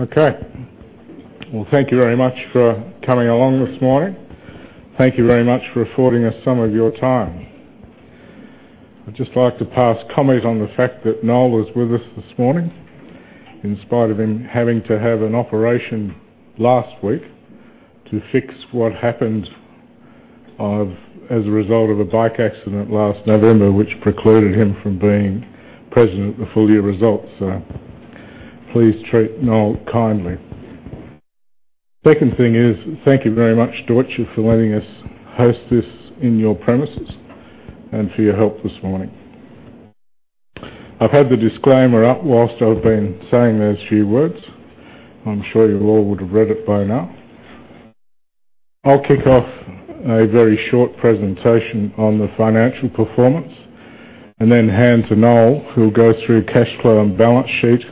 Okay. Well, thank you very much for coming along this morning. Thank you very much for affording us some of your time. I'd just like to pass comment on the fact that Noel is with us this morning, in spite of him having to have an operation last week to fix what happened as a result of a bike accident last November, which precluded him from being present at the full-year results. Please treat Noel kindly. Second thing is, thank you very much, Deutsche, for letting us host this in your premises and for your help this morning. I've had the disclaimer up whilst I've been saying those few words. I'm sure you all would have read it by now. I'll kick off a very short presentation on the financial performance and then hand to Noel, who'll go through cash flow and balance sheet.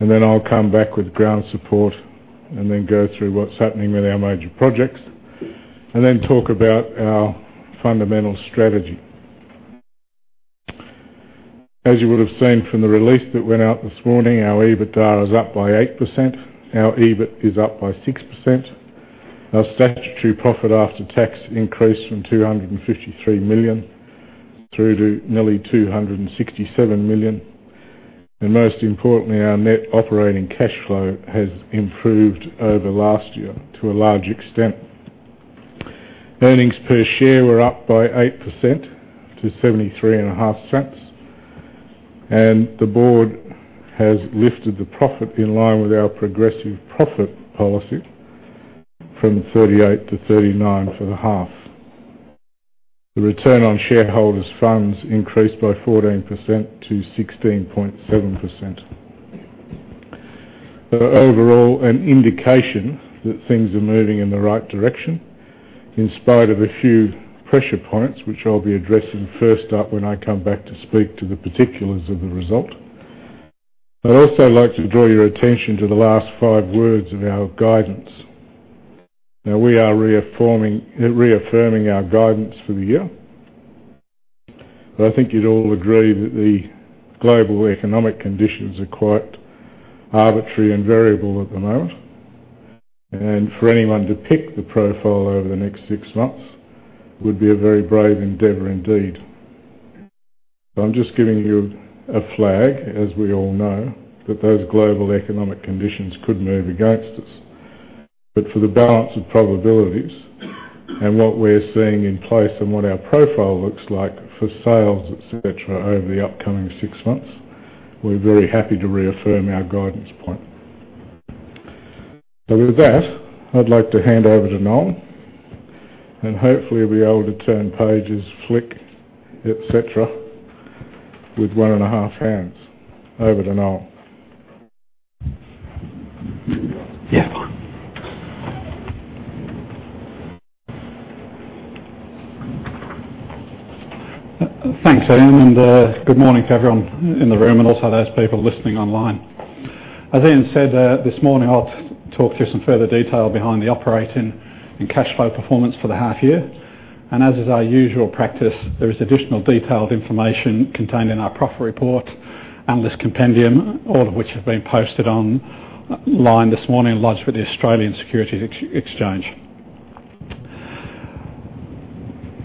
Then I'll come back with Ground Support and then go through what's happening with our major projects, and then talk about our fundamental strategy. As you would have seen from the release that went out this morning, our EBITDA is up by 8%, our EBIT is up by 6%, our statutory profit after tax increased from 253 million through to nearly 267 million. Most importantly, our net operating cash flow has improved over last year to a large extent. Earnings per share were up by 8% to 0.735. The board has lifted the profit in line with our progressive profit policy from 38 to 39 for the half. The return on shareholders' funds increased by 14% to 16.7%. Overall, an indication that things are moving in the right direction, in spite of a few pressure points, which I'll be addressing first up when I come back to speak to the particulars of the result. I'd also like to draw your attention to the last five words of our guidance. We are reaffirming our guidance for the year. I think you'd all agree that the global economic conditions are quite arbitrary and variable at the moment. For anyone to pick the profile over the next six months would be a very brave endeavor indeed. I'm just giving you a flag, as we all know, that those global economic conditions could move against us. For the balance of probabilities and what we're seeing in place and what our profile looks like for sales, et cetera, over the upcoming six months, we're very happy to reaffirm our guidance point. With that, I'd like to hand over to Noel. Hopefully he'll be able to turn pages, flick, et cetera, with one and a half hands. Over to Noel. Yeah. Thanks, Ian, and good morning to everyone in the room, and also those people listening online. As Ian said, this morning, I'll talk through some further detail behind the operating and cash flow performance for the half year. As is our usual practice, there is additional detailed information contained in our profit report, analyst compendium, all of which have been posted online this morning and lodged with the Australian Securities Exchange.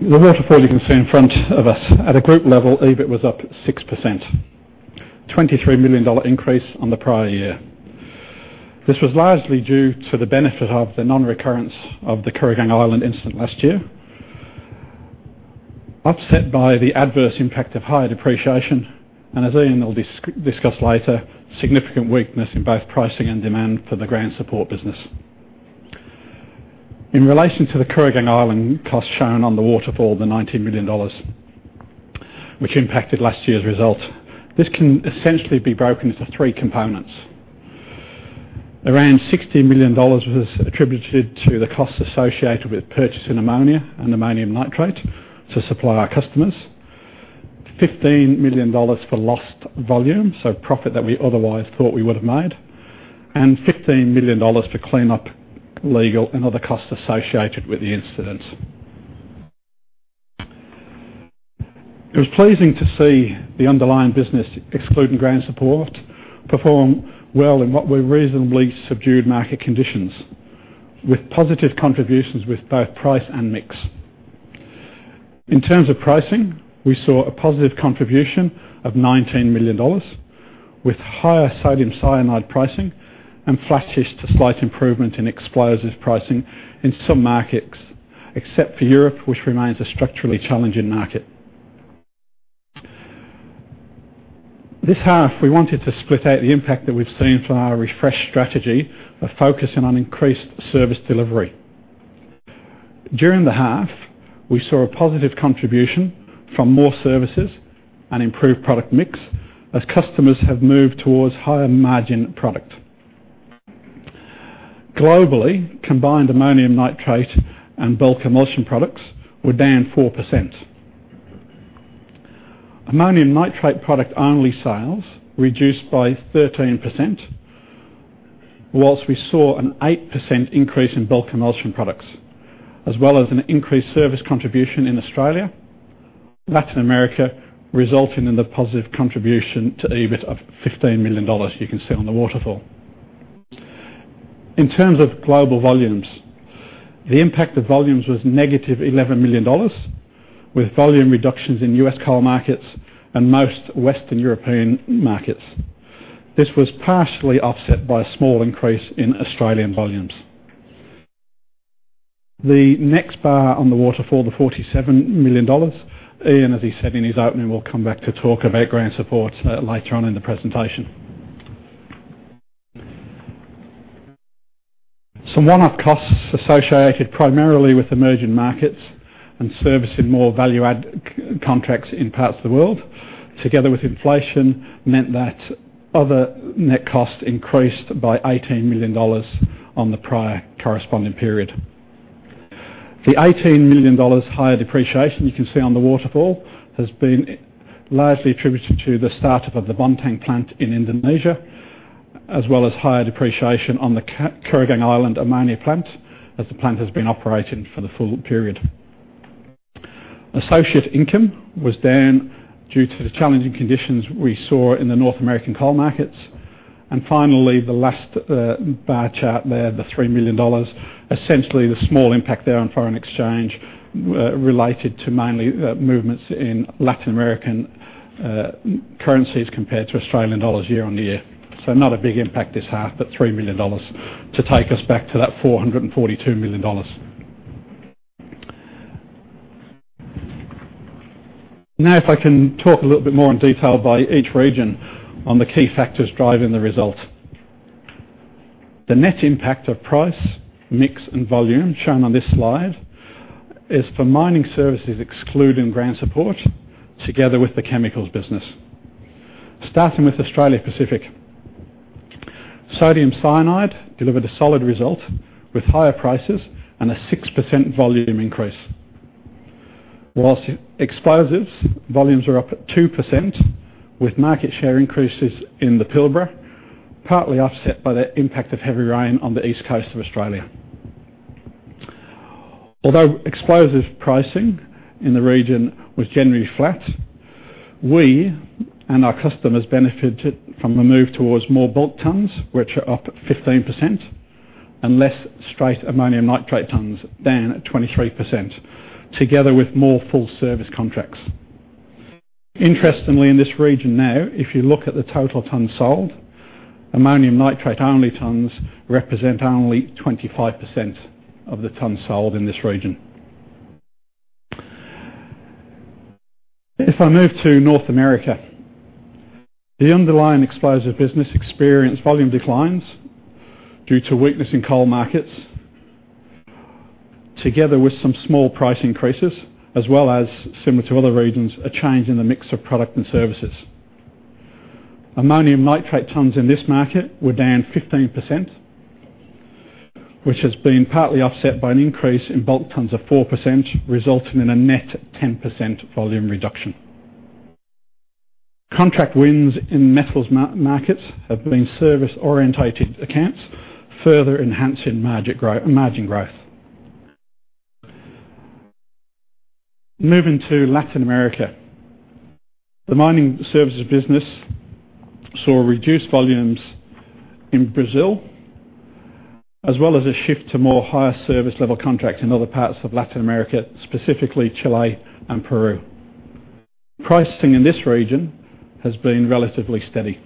The waterfall you can see in front of us. At a group level, EBIT was up 6%, 23 million dollar increase on the prior year. This was largely due to the benefit of the non-recurrence of the Kooragang Island incident last year. Offset by the adverse impact of higher depreciation, and as Ian will discuss later, significant weakness in both pricing and demand for the ground support business. In relation to the Kooragang Island cost shown on the waterfall, the 19 million dollars, which impacted last year's result. This can essentially be broken into three components. Around 16 million dollars was attributed to the costs associated with purchasing ammonia and ammonium nitrate to supply our customers. 15 million dollars for lost volume, so profit that we otherwise thought we would have made, and 15 million dollars for cleanup, legal, and other costs associated with the incident. It was pleasing to see the underlying business, excluding ground support, perform well in what were reasonably subdued market conditions. With positive contributions with both price and mix. In terms of pricing, we saw a positive contribution of 19 million dollars, with higher sodium cyanide pricing and flattish to slight improvement in explosives pricing in some markets, except for Europe, which remains a structurally challenging market. This half, we wanted to split out the impact that we've seen from our refreshed strategy of focusing on increased service delivery. During the half, we saw a positive contribution from more services and improved product mix as customers have moved towards higher margin product. Globally, combined ammonium nitrate and bulk emulsion products were down 4%. Ammonium nitrate product only sales reduced by 13%, whilst we saw an 8% increase in bulk emulsion products, as well as an increased service contribution in Australia Latin America resulting in the positive contribution to EBIT of 15 million dollars you can see on the waterfall. In terms of global volumes, the impact of volumes was negative 11 million dollars with volume reductions in U.S. coal markets and most Western European markets. This was partially offset by a small increase in Australian volumes. The next bar on the waterfall, the 47 million dollars, Ian, as he said in his opening, will come back to talk about ground support later on in the presentation. Some one-off costs associated primarily with emerging markets and servicing more value-add contracts in parts of the world, together with inflation, meant that other net costs increased by 18 million dollars on the prior corresponding period. The 18 million dollars higher depreciation you can see on the waterfall has been largely attributed to the start-up of the Bontang plant in Indonesia, as well as higher depreciation on the Kooragang Island ammonia plant as the plant has been operating for the full period. Associate income was down due to the challenging conditions we saw in the North American coal markets. Finally, the last bar chart there, the 3 million dollars, essentially the small impact there on foreign exchange related to mainly movements in Latin American currencies compared to Australian dollars year-on-year. Not a big impact this half, but 3 million dollars to take us back to that 442 million dollars. If I can talk a little bit more in detail by each region on the key factors driving the results. The net impact of price, mix, and volume shown on this slide is for mining services excluding ground support together with the chemicals business. Starting with Australia Pacific. Sodium cyanide delivered a solid result with higher prices and a 6% volume increase. Whilst explosives, volumes are up at 2% with market share increases in the Pilbara, partly offset by the impact of heavy rain on the east coast of Australia. Although explosives pricing in the region was generally flat, we and our customers benefited from the move towards more bulk tonnes, which are up 15%, and less straight ammonium nitrate tonnes, down at 23%, together with more full-service contracts. Interestingly, in this region now, if you look at the total tonnes sold, ammonium nitrate only tonnes represent only 25% of the tonnes sold in this region. If I move to North America, the underlying explosive business experienced volume declines due to weakness in coal markets, together with some small price increases, as well as, similar to other regions, a change in the mix of product and services. Ammonium nitrate tonnes in this market were down 15%, which has been partly offset by an increase in bulk tonnes of 4%, resulting in a net 10% volume reduction. Contract wins in metals markets have been service-orientated accounts, further enhancing margin growth. Moving to Latin America. The mining services business saw reduced volumes in Brazil, as well as a shift to more higher service level contracts in other parts of Latin America, specifically Chile and Peru. Pricing in this region has been relatively steady.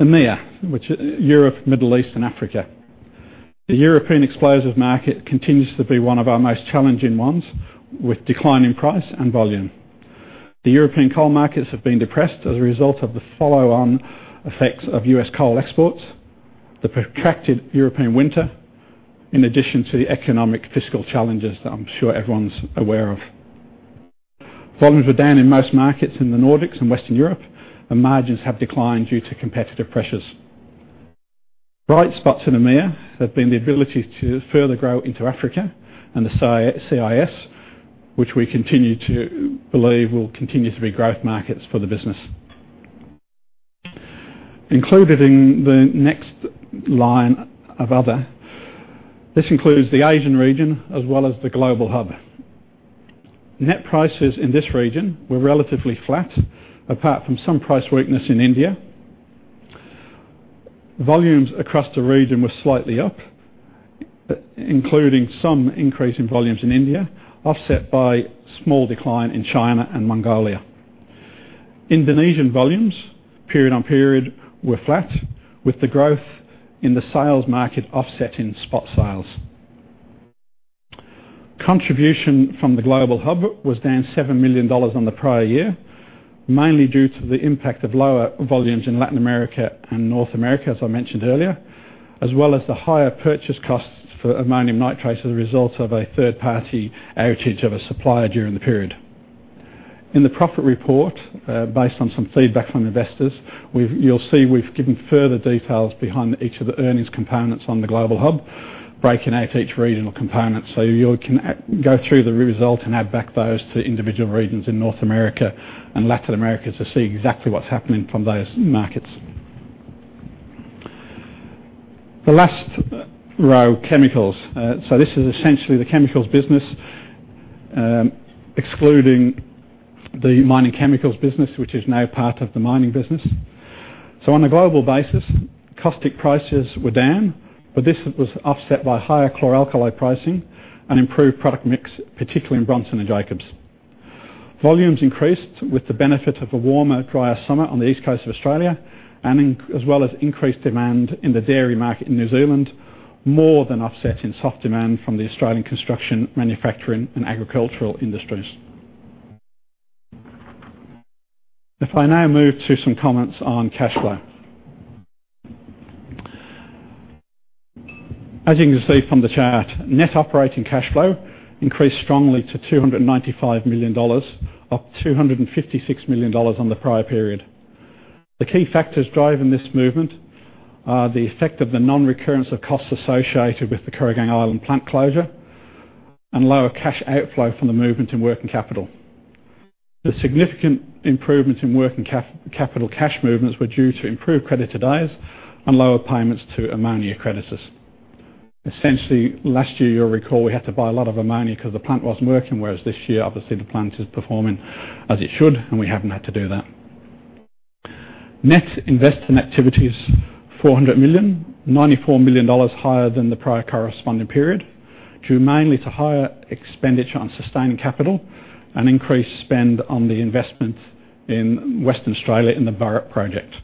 EMEA, which is Europe, Middle East and Africa. The European explosive market continues to be one of our most challenging ones, with declining price and volume. The European coal markets have been depressed as a result of the follow-on effects of U.S. coal exports, the protracted European winter, in addition to the economic fiscal challenges that I'm sure everyone's aware of. Volumes were down in most markets in the Nordics and Western Europe, and margins have declined due to competitive pressures. Bright spots in EMEA have been the ability to further grow into Africa and the CIS, which we continue to believe will continue to be growth markets for the business. Included in the next line of other, this includes the Asian region as well as the global hub. Net prices in this region were relatively flat apart from some price weakness in India. Volumes across the region were slightly up, including some increase in volumes in India, offset by a small decline in China and Mongolia. Indonesian volumes period-on-period were flat, with the growth in the sales market offset in spot sales. Contribution from the global hub was down 7 million dollars on the prior year, mainly due to the impact of lower volumes in Latin America and North America, as I mentioned earlier, as well as the higher purchase costs for ammonium nitrate as a result of a third-party outage of a supplier during the period. In the profit report, based on some feedback from investors, you'll see we've given further details behind each of the earnings components on the global hub, breaking out each regional component so you can go through the result and add back those to individual regions in North America and Latin America to see exactly what's happening from those markets. The last row, chemicals. This is essentially the chemicals business, excluding the mining chemicals business, which is now part of the mining business. On a global basis, caustic prices were down, but this was offset by higher chlor-alkali pricing and improved product mix, particularly in Bronson & Jacobs. Volumes increased with the benefit of a warmer, drier summer on the east coast of Australia, as well as increased demand in the dairy market in New Zealand, more than offsetting soft demand from the Australian construction, manufacturing, and agricultural industries. If I now move to some comments on cash flow. As you can see from the chart, net operating cash flow increased strongly to 295 million dollars, up 256 million dollars on the prior period. The key factors driving this movement are the effect of the non-recurrence of costs associated with the Kooragang Island plant closure and lower cash outflow from the movement in working capital. The significant improvements in working capital cash movements were due to improved creditor days and lower payments to ammonia creditors. Essentially, last year, you'll recall, we had to buy a lot of ammonia because the plant wasn't working. This year, obviously, the plant is performing as it should, and we haven't had to do that. Net investing activities, 400 million, 94 million dollars higher than the prior corresponding period, due mainly to higher expenditure on sustaining capital and increased spend on the investment in Western Australia in the Burrup project.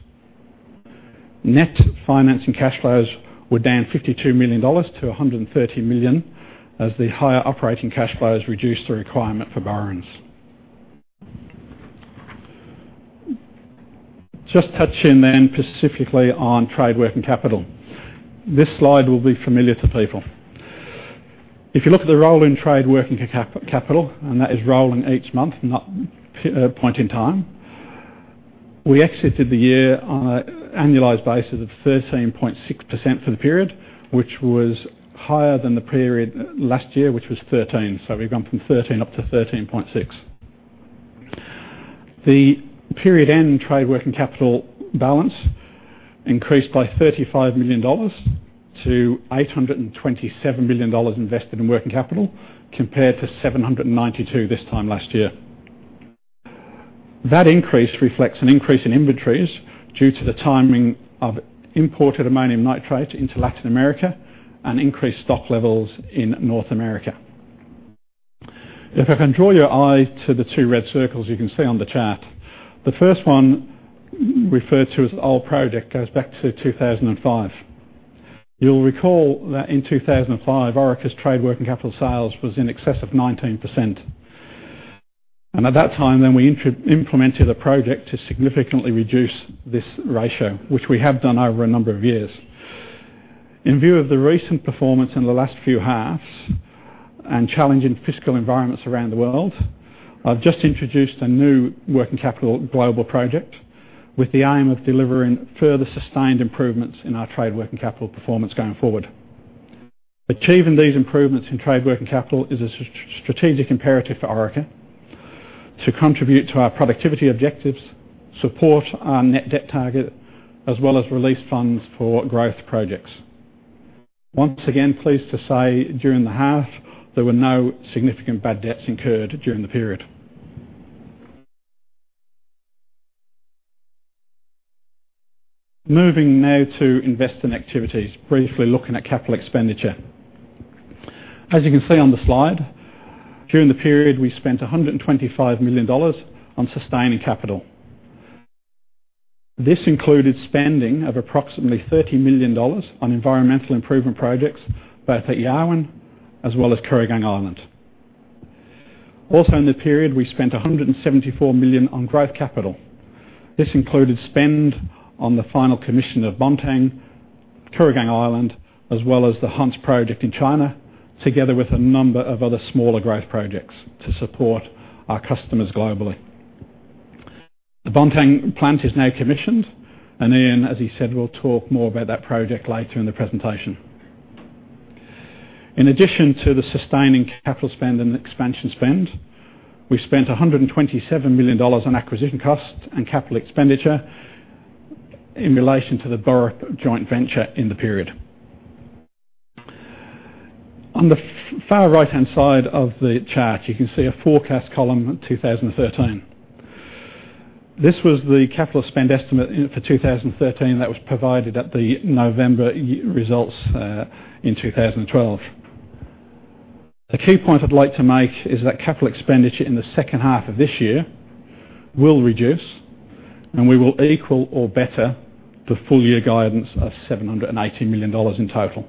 Net financing cash flows were down 52 million dollars to 130 million as the higher operating cash flows reduced the requirement for borrowings. Touching then specifically on trade working capital. This slide will be familiar to people. If you look at the role in trade working capital, and that is rolling each month, not point in time, we exited the year on an annualized basis of 13.6% for the period, which was higher than the period last year, which was 13%. We've gone from 13% up to 13.6%. The period end trade working capital balance increased by 35 million dollars to 827 million dollars invested in working capital, compared to 792 million this time last year. That increase reflects an increase in inventories due to the timing of imported ammonium nitrate into Latin America and increased stock levels in North America. If I can draw your eye to the two red circles you can see on the chart. The first one, referred to as old project, goes back to 2005. You'll recall that in 2005, Orica's trade working capital sales was in excess of 19%. At that time, we implemented a project to significantly reduce this ratio, which we have done over a number of years. In view of the recent performance in the last few halves and challenging fiscal environments around the world, I've just introduced a new working capital global project with the aim of delivering further sustained improvements in our trade working capital performance going forward. Achieving these improvements in trade working capital is a strategic imperative for Orica to contribute to our productivity objectives, support our net debt target, as well as release funds for growth projects. Once again, pleased to say, during the half, there were no significant bad debts incurred during the period. Moving now to investing activities, briefly looking at capital expenditure. As you can see on the slide, during the period, we spent 125 million dollars on sustaining capital. This included spending of approximately 30 million dollars on environmental improvement projects, both at Yarwun as well as Kooragang Island. Also in the period, we spent 174 million on growth capital. This included spend on the final commission of Bontang, Kooragang Island, as well as the Hunts project in China, together with a number of other smaller growth projects to support our customers globally. The Bontang plant is now commissioned, and Ian, as he said, will talk more about that project later in the presentation. In addition to the sustaining capital spend and expansion spend, we spent 127 million dollars on acquisition costs and capital expenditure in relation to the Burrup joint venture in the period. On the far right-hand side of the chart, you can see a forecast column 2013. This was the capital spend estimate for 2013 that was provided at the November results in 2012. A key point I'd like to make is that capital expenditure in the second half of this year will reduce. We will equal or better the full-year guidance of 780 million dollars in total.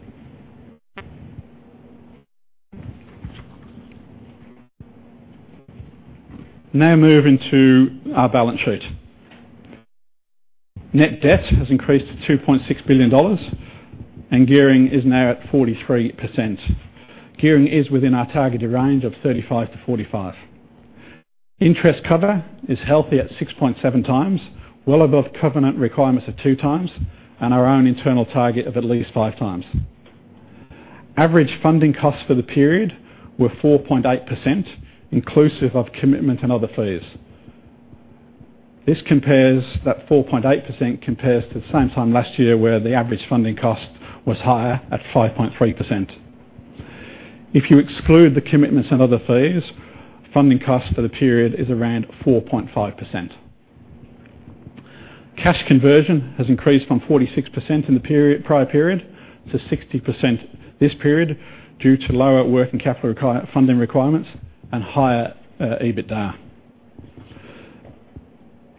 Moving to our balance sheet. Net debt has increased to 2.6 billion dollars, and gearing is now at 43%. Gearing is within our targeted range of 35%-45%. Interest cover is healthy at 6.7 times, well above covenant requirements of 2 times, and our own internal target of at least 5 times. Average funding costs for the period were 4.8%, inclusive of commitment and other fees. This 4.8% compares to the same time last year, where the average funding cost was higher at 5.3%. If you exclude the commitments and other fees, funding cost for the period is around 4.5%. Cash conversion has increased from 46% in the prior period to 60% this period due to lower working capital funding requirements and higher EBITDA.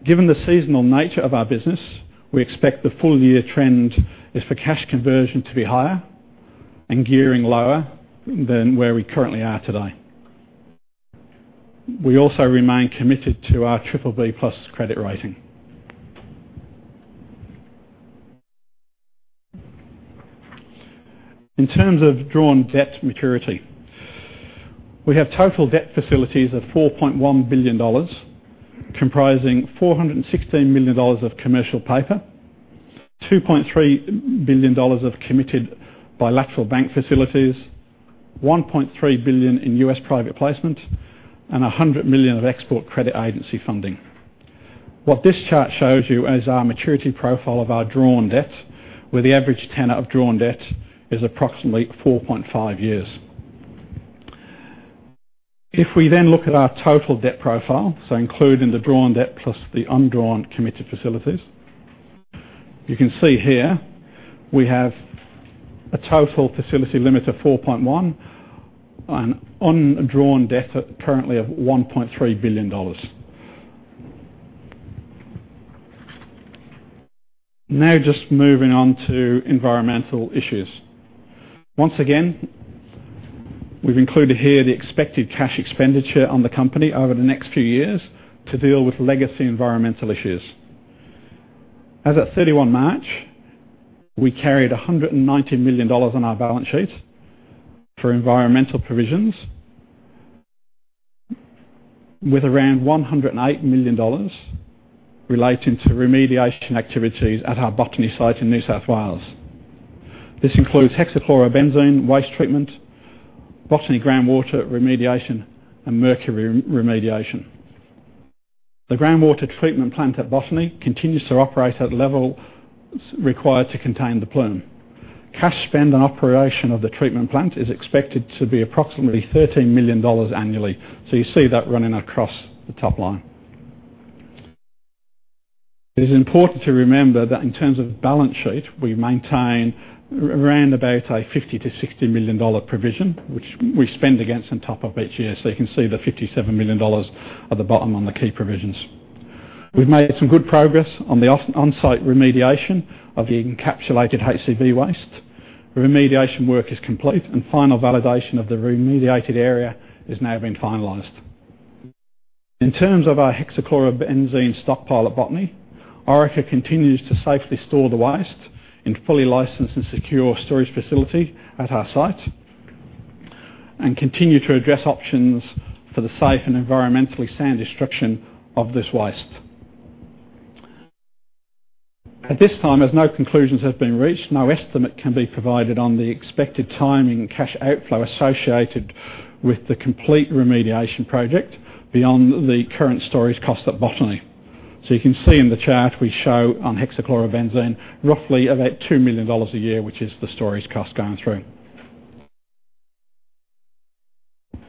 Given the seasonal nature of our business, we expect the full year trend is for cash conversion to be higher and gearing lower than where we currently are today. We also remain committed to our BBB+ credit rating. In terms of drawn debt maturity, we have total debt facilities of 4.1 billion dollars, comprising 416 million dollars of commercial paper, 2.3 billion dollars of committed bilateral bank facilities, 1.3 billion in U.S. private placement, and 100 million of export credit agency funding. This chart shows you our maturity profile of our drawn debt, where the average tenor of drawn debt is approximately 4.5 years. If we then look at our total debt profile, including the drawn debt plus the undrawn committed facilities, you can see here we have a total facility limit of 4.1 billion on undrawn debt currently of 1.3 billion dollars. Just moving on to environmental issues. Once again, we've included here the expected cash expenditure on the company over the next few years to deal with legacy environmental issues. As at 31 March, we carried 190 million dollars on our balance sheet for environmental provisions, with around 108 million dollars relating to remediation activities at our Botany site in New South Wales. This includes hexachlorobenzene waste treatment, Botany groundwater remediation, and mercury remediation. The groundwater treatment plant at Botany continues to operate at levels required to contain the plume. Cash spend and operation of the treatment plant is expected to be approximately 13 million dollars annually. You see that running across the top line. It is important to remember that in terms of balance sheet, we maintain around about a 50 million to 60 million dollar provision, which we spend against on top of each year. So you can see the 57 million dollars at the bottom on the key provisions. We've made some good progress on the on-site remediation of the encapsulated HCB waste. Remediation work is complete and final validation of the remediated area is now being finalized. In terms of our hexachlorobenzene stockpile at Botany, Orica continues to safely store the waste in a fully licensed and secure storage facility at our site and continue to address options for the safe and environmentally sound destruction of this waste. At this time, as no conclusions have been reached, no estimate can be provided on the expected timing and cash outflow associated with the complete remediation project beyond the current storage cost at Botany. You can see in the chart we show on hexachlorobenzene, roughly about 2 million dollars a year, which is the storage cost going through.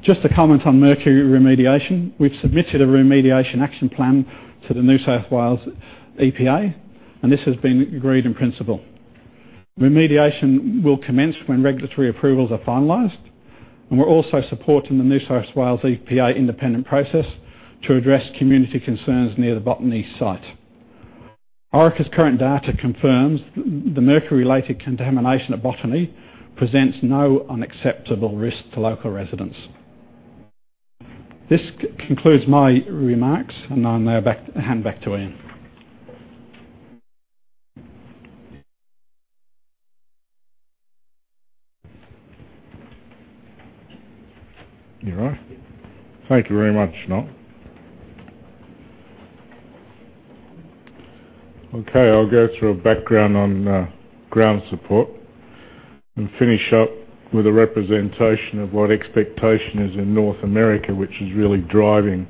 Just to comment on mercury remediation. We've submitted a remediation action plan to the New South Wales EPA, and this has been agreed in principle. Remediation will commence when regulatory approvals are finalized, and we're also supporting the New South Wales EPA independent process to address community concerns near the Botany site. Orica's current data confirms the mercury-related contamination at Botany presents no unacceptable risk to local residents. This concludes my remarks. I'll now hand back to Ian. You all right? Thank you very much, Noel. I'll go through a background on Ground Support and finish up with a representation of what expectation is in North America, which is really driving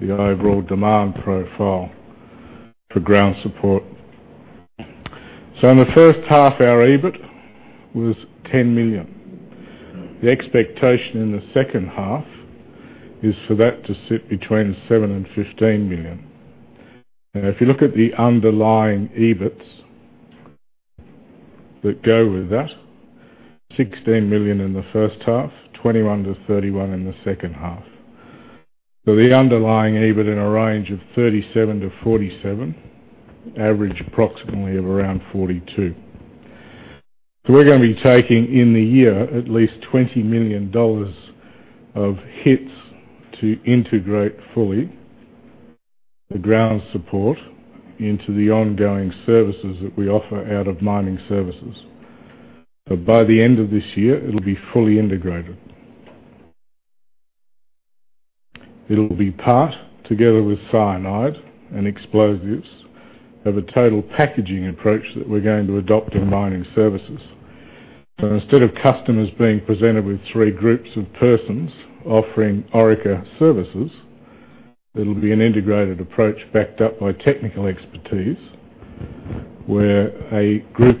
the overall demand profile for Ground Support. In the first half, our EBIT was 10 million. The expectation in the second half is for that to sit between 7 million and 15 million. Now, if you look at the underlying EBITs that go with that, 16 million in the first half, 21 million to 31 million in the second half. The underlying EBIT in a range of 37 million to 47 million, average approximately of around 42 million. We're going to be taking in the year at least 20 million dollars of hits to integrate fully the Ground Support into the ongoing services that we offer out of mining services. By the end of this year, it will be fully integrated. It will be part, together with sodium cyanide and explosives, of a total packaging approach that we are going to adopt in mining services. Instead of customers being presented with three groups of persons offering Orica services, it will be an integrated approach backed up by technical expertise, where a group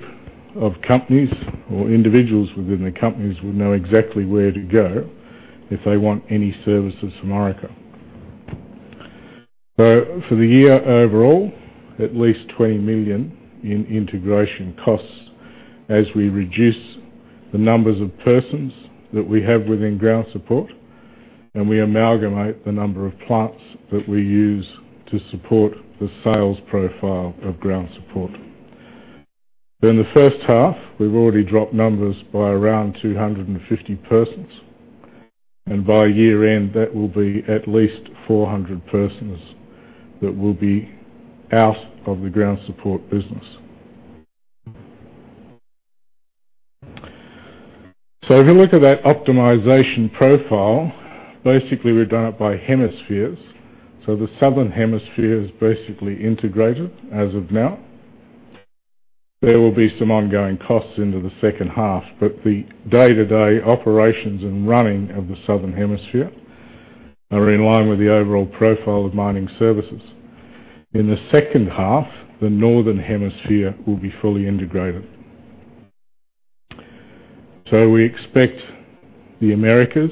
of companies or individuals within the companies will know exactly where to go if they want any services from Orica. For the year overall, at least 20 million in integration costs as we reduce the numbers of persons that we have within Ground Support, and we amalgamate the number of plants that we use to support the sales profile of Ground Support. In the first half, we have already dropped numbers by around 250 persons, and by year-end, that will be at least 400 persons that will be out of the Ground Support business. If you look at that optimization profile, basically we have done it by hemispheres. The Southern Hemisphere is basically integrated as of now. There will be some ongoing costs into the second half, but the day-to-day operations and running of the Southern Hemisphere are in line with the overall profile of mining services. In the second half, the Northern Hemisphere will be fully integrated. We expect the Americas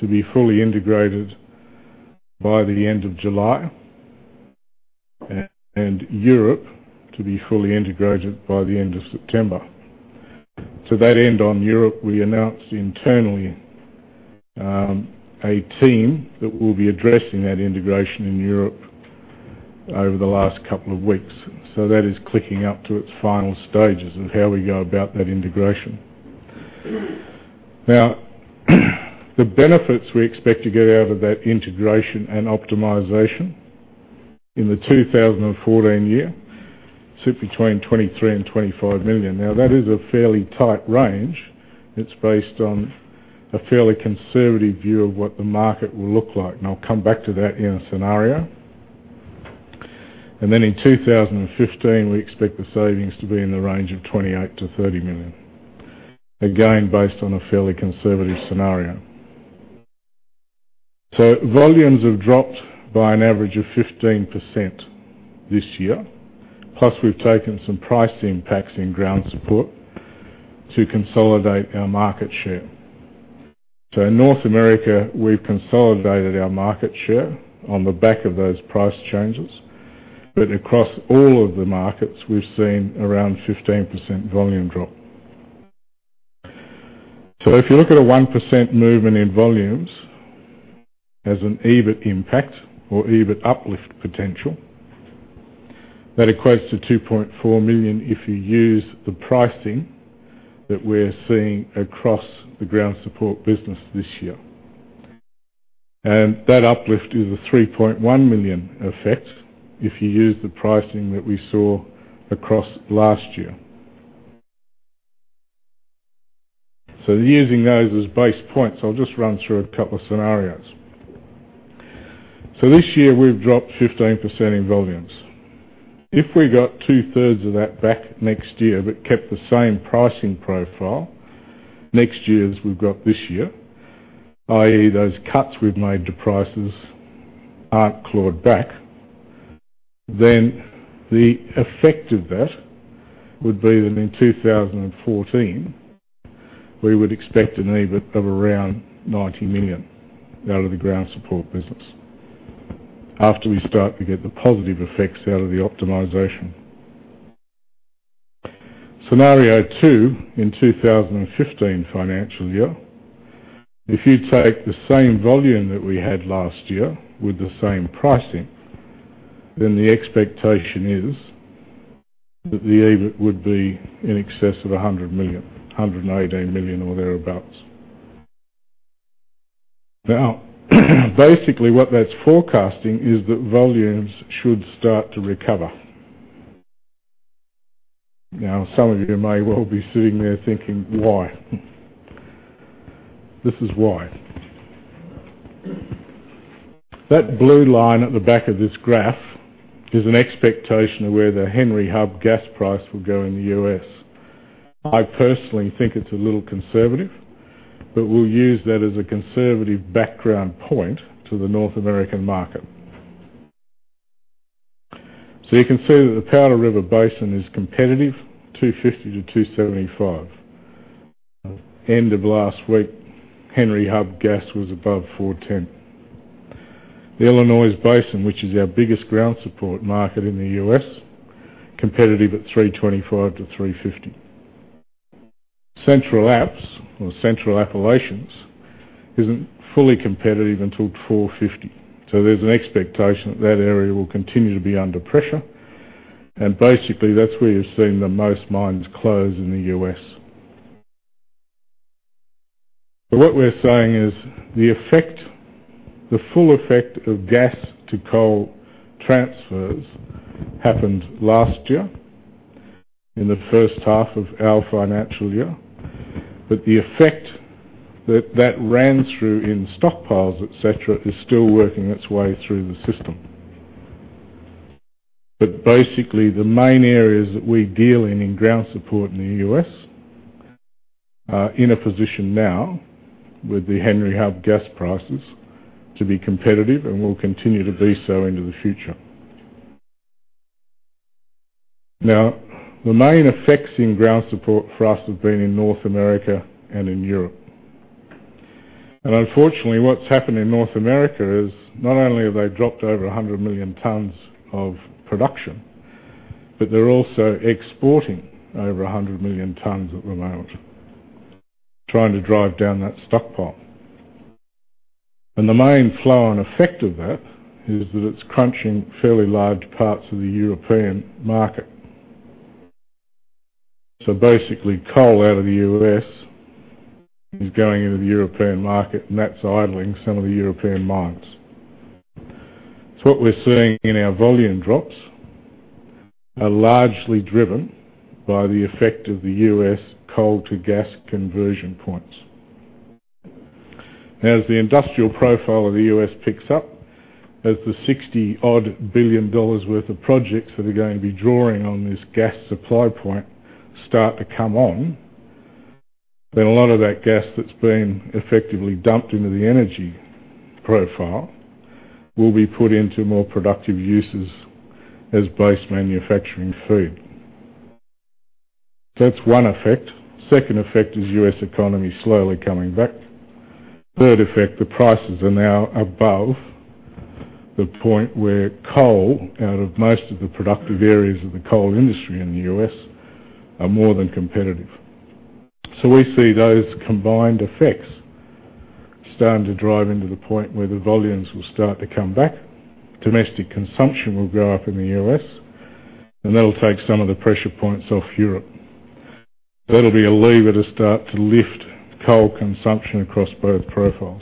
to be fully integrated by the end of July and Europe to be fully integrated by the end of September. To that end on Europe, we announced internally, a team that will be addressing that integration in Europe over the last couple of weeks. That is clicking up to its final stages of how we go about that integration. The benefits we expect to get out of that integration and optimization in the 2014 year, sit between 23 million and 25 million. That is a fairly tight range. It is based on a fairly conservative view of what the market will look like. I will come back to that in a scenario. In 2015, we expect the savings to be in the range of 28 million to 30 million. Again, based on a fairly conservative scenario. Volumes have dropped by an average of 15% this year, plus we have taken some pricing packs in Ground Support to consolidate our market share. In North America, we have consolidated our market share on the back of those price changes, but across all of the markets, we have seen around 15% volume drop. If you look at a 1% movement in volumes as an EBIT impact or EBIT uplift potential, that equates to 2.4 million if you use the pricing that we are seeing across the Ground Support business this year. That uplift is an 3.1 million effect if you use the pricing that we saw across last year. Using those as base points, I will just run through a couple of scenarios. This year, we have dropped 15% in volumes. If we got two-thirds of that back next year but kept the same pricing profile next year as we have got this year, i.e., those cuts we have made to prices are not clawed back, then the effect of that would be that in 2014, we would expect an EBIT of around 90 million out of the Ground Support business after we start to get the positive effects out of the optimization. Scenario two, in 2015 financial year, if you take the same volume that we had last year with the same pricing, then the expectation is that the EBIT would be in excess of 100 million, 118 million or thereabouts. Basically what that's forecasting is that volumes should start to recover. Some of you may well be sitting there thinking, "Why?" This is why. That blue line at the back of this graph is an expectation of where the Henry Hub gas price will go in the U.S. I personally think it's a little conservative, but we'll use that as a conservative background point to the North American market. You can see that the Powder River Basin is competitive, 250-275. End of last week, Henry Hub gas was above 410. The Illinois Basin, which is our biggest Ground Support market in the U.S., competitive at 325-350. Central Apps or Central Appalachians isn't fully competitive until 450. There's an expectation that area will continue to be under pressure, Basically that's where you're seeing the most mines close in the U.S. What we're saying is the full effect of gas to coal transfers happened last year in the first half of our financial year, The effect that that ran through in stockpiles, et cetera, is still working its way through the system. Basically, the main areas that we deal in Ground Support in the U.S., are in a position now with the Henry Hub gas prices to be competitive and will continue to be so into the future. The main effects in Ground Support for us have been in North America and in Europe. Unfortunately, what's happened in North America is not only have they dropped over 100 million tons of production, but they're also exporting over 100 million tons at the moment, trying to drive down that stockpile. The main flow and effect of that is that it's crunching fairly large parts of the European market. Basically, coal out of the U.S. is going into the European market, That's idling some of the European mines. What we're seeing in our volume drops are largely driven by the effect of the U.S. coal to gas conversion points. As the industrial profile of the U.S. picks up, as the 60 odd billion worth of projects that are going to be drawing on this gas supply point start to come on, A lot of that gas that's been effectively dumped into the energy profile will be put into more productive uses as base manufacturing feed. That's one effect. Second effect is U.S. economy slowly coming back. Third effect, the prices are now above the point where coal, out of most of the productive areas of the coal industry in the U.S., are more than competitive. We see those combined effects starting to drive into the point where the volumes will start to come back. Domestic consumption will go up in the U.S., That'll take some of the pressure points off Europe. That'll be a lever to start to lift coal consumption across both profiles.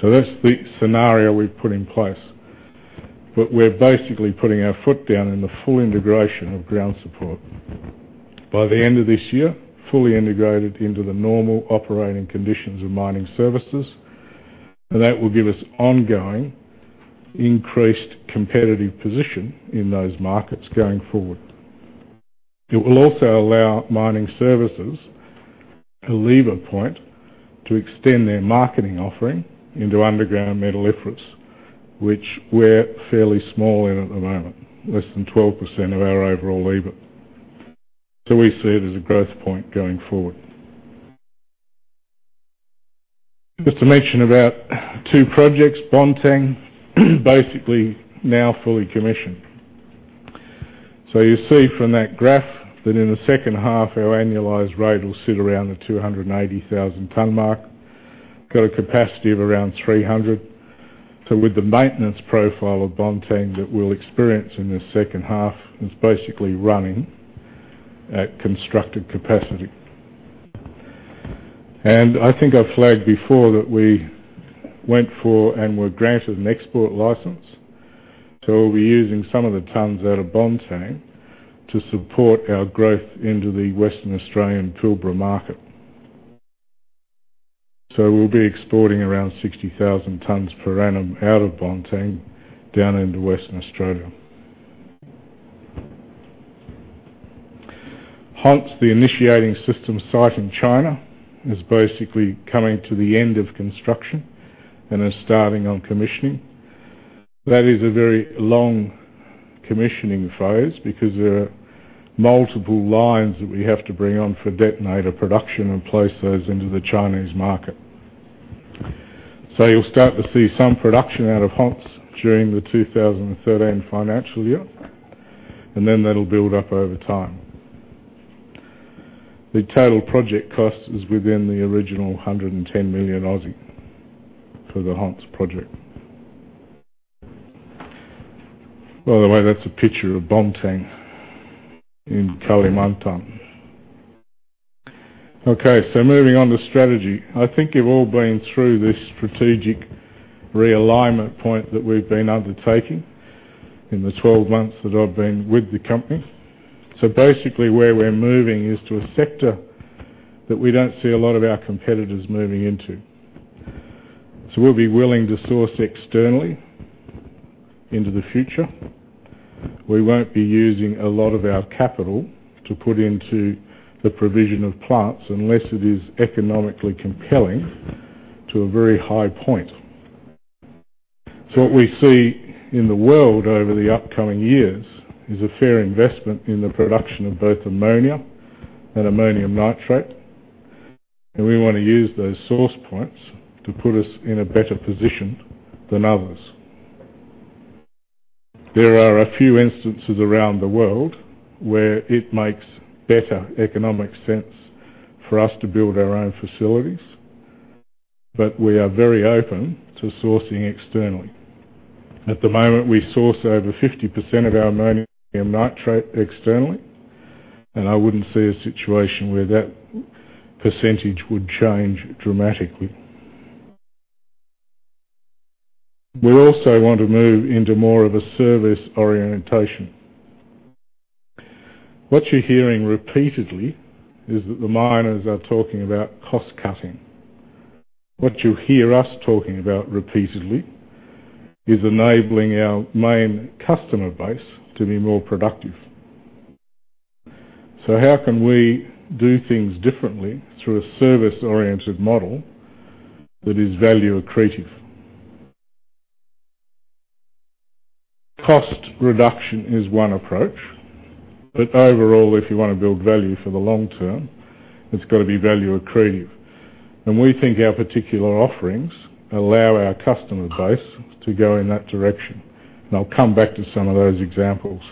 That's the scenario we've put in place. We're basically putting our foot down in the full integration of ground support. By the end of this year, fully integrated into the normal operating conditions of mining services, that will give us ongoing increased competitive position in those markets going forward. It will also allow mining services a lever point to extend their marketing offering into underground metalliferous, which we're fairly small in at the moment, less than 12% of our overall EBIT. We see it as a growth point going forward. Just to mention about 2 projects. Bontang, basically now fully commissioned. You see from that graph that in the second half, our annualized rate will sit around the 280,000 ton mark. Got a capacity of around 300. With the maintenance profile of Bontang that we'll experience in the second half, it's basically running at constructed capacity. I flagged before that we went for and were granted an export license. We'll be using some of the tons out of Bontang to support our growth into the Western Australian Pilbara market. We'll be exporting around 60,000 tons per annum out of Bontang down into Western Australia. Hants, the initiating system site in China, is basically coming to the end of construction and are starting on commissioning. That is a very long commissioning phase because there are multiple lines that we have to bring on for detonator production and place those into the Chinese market. You'll start to see some production out of Hants during the 2013 financial year, and then that'll build up over time. The total project cost is within the original 110 million for the Hants project. By the way, that's a picture of Bontang in Kalimantan. Moving on to strategy. You've all been through this strategic realignment point that we've been undertaking in the 12 months that I've been with the company. Basically, where we're moving is to a sector that we don't see a lot of our competitors moving into. We'll be willing to source externally into the future. We won't be using a lot of our capital to put into the provision of plants unless it is economically compelling to a very high point. What we see in the world over the upcoming years is a fair investment in the production of both ammonia and ammonium nitrate, and we want to use those source points to put us in a better position than others. There are a few instances around the world where it makes better economic sense for us to build our own facilities, but we are very open to sourcing externally. At the moment, we source over 50% of our ammonium nitrate externally, and I wouldn't see a situation where that percentage would change dramatically. We also want to move into more of a service orientation. What you're hearing repeatedly is that the miners are talking about cost-cutting. What you'll hear us talking about repeatedly is enabling our main customer base to be more productive. How can we do things differently through a service-oriented model that is value accretive? Cost reduction is one approach, overall, if you want to build value for the long term, it's got to be value accretive. We think our particular offerings allow our customer base to go in that direction, and I'll come back to some of those examples.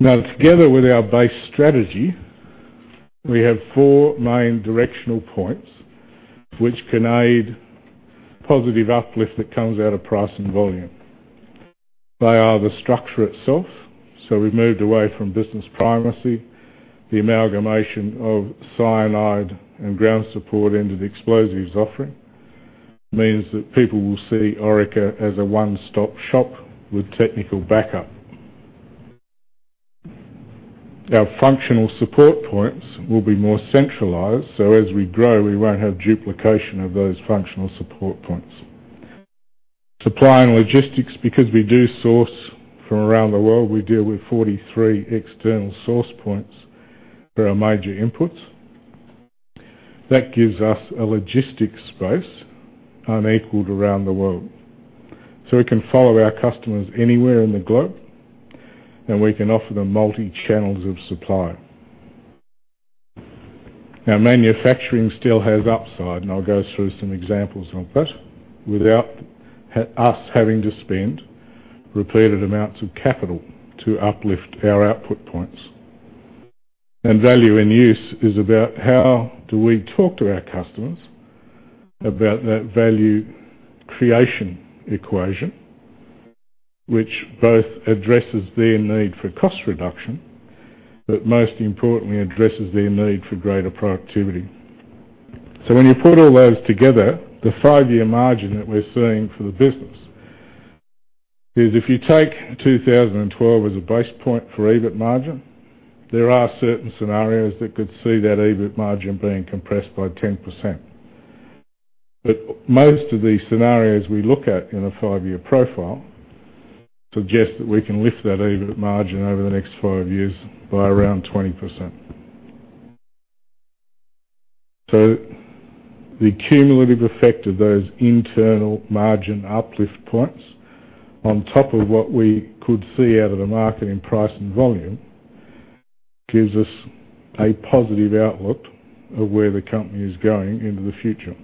Together with our base strategy, we have four main directional points which can aid positive uplift that comes out of price and volume. They are the structure itself. We've moved away from business primacy. The amalgamation of cyanide and ground support into the explosives offering means that people will see Orica as a one-stop shop with technical backup. Our functional support points will be more centralized. As we grow, we won't have duplication of those functional support points. Supply and logistics, because we do source from around the world. We deal with 43 external source points for our major inputs. That gives us a logistics space unequaled around the world. We can follow our customers anywhere in the globe, and we can offer them multi-channels of supply. Manufacturing still has upside, and I'll go through some examples of that without us having to spend repeated amounts of capital to uplift our output points. Value in use is about how do we talk to our customers about that value creation equation, which both addresses their need for cost reduction, most importantly, addresses their need for greater productivity. When you put all those together, the five-year margin that we're seeing for the business is if you take 2012 as a base point for EBIT margin, there are certain scenarios that could see that EBIT margin being compressed by 10%. Most of the scenarios we look at in a five-year profile suggest that we can lift that EBIT margin over the next five years by around 20%. The cumulative effect of those internal margin uplift points on top of what we could see out of the market in price and volume gives us a positive outlook of where the company is going into the future.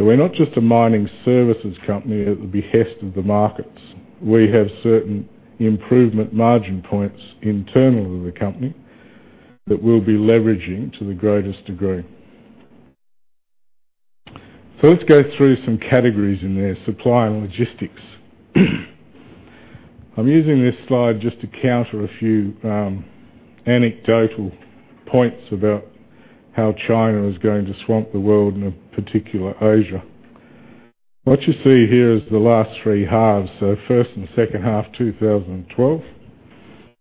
We're not just a mining services company at the behest of the markets. We have certain improvement margin points internal to the company that we'll be leveraging to the greatest degree. Let's go through some categories in there. Supply and logistics. I'm using this slide just to counter a few anecdotal points about how China is going to swamp the world and, in particular, Asia. What you see here is the last three halves. First and second half 2012,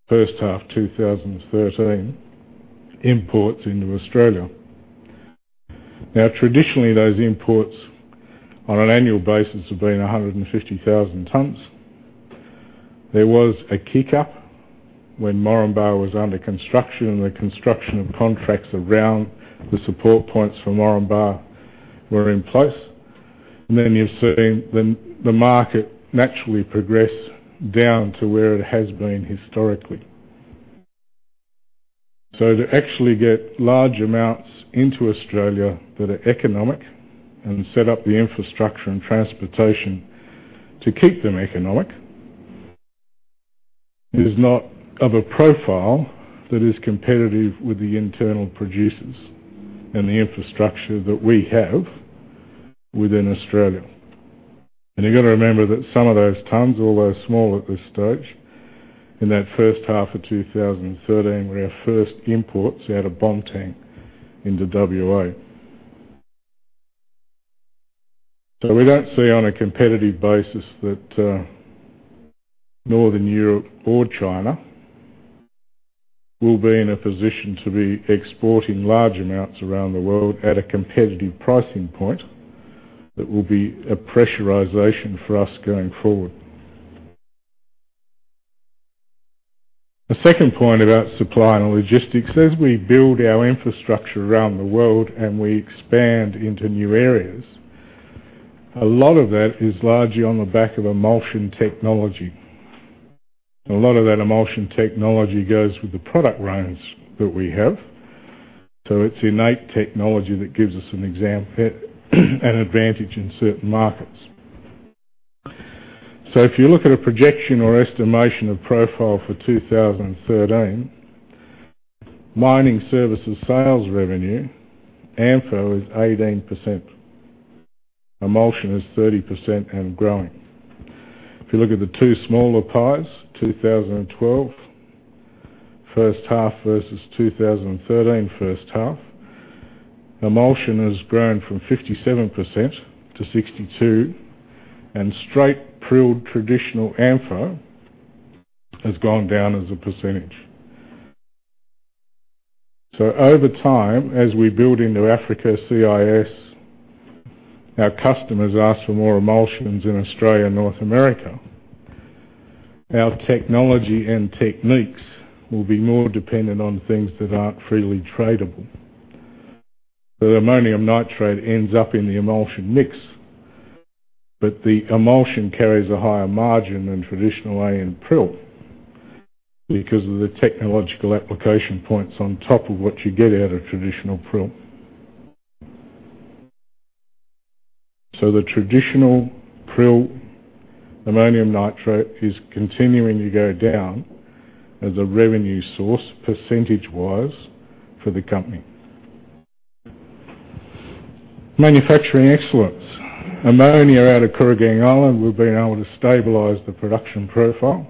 first half 2013 imports into Australia. Traditionally, those imports on an annual basis have been 150,000 tons. There was a kick-up when Moranbah was under construction and the construction of contracts around the support points for Moranbah were in place. Then you're seeing the market naturally progress down to where it has been historically. To actually get large amounts into Australia that are economic and set up the infrastructure and transportation to keep them economic is not of a profile that is competitive with the internal producers and the infrastructure that we have within Australia. You've got to remember that some of those tons, although small at this stage, in that first half of 2013, were our first imports out of Bontang into W.A. We don't see on a competitive basis that Northern Europe or China will be in a position to be exporting large amounts around the world at a competitive pricing point that will be a pressurization for us going forward. The second point about supply and logistics, as we build our infrastructure around the world and we expand into new areas, a lot of that is largely on the back of emulsion technology. A lot of that emulsion technology goes with the product range that we have. It's innate technology that gives us an advantage in certain markets. If you look at a projection or estimation of profile for 2013, mining services sales revenue, ANFO is 18%, emulsion is 30% and growing. If you look at the two smaller pies, 2012 first half versus 2013 first half. Emulsion has grown from 57%-62%, and straight prilled traditional ANFO has gone down as a percentage. Over time, as we build into Africa, CIS, our customers ask for more emulsions in Australia and North America. Our technology and techniques will be more dependent on things that aren't freely tradable. The ammonium nitrate ends up in the emulsion mix, the emulsion carries a higher margin than traditional AN prill, because of the technological application points on top of what you get out of traditional prill. The traditional prill ammonium nitrate is continuing to go down as a revenue source percentage-wise for the company. Manufacturing excellence. Ammonia out of Kooragang Island, we've been able to stabilize the production profile.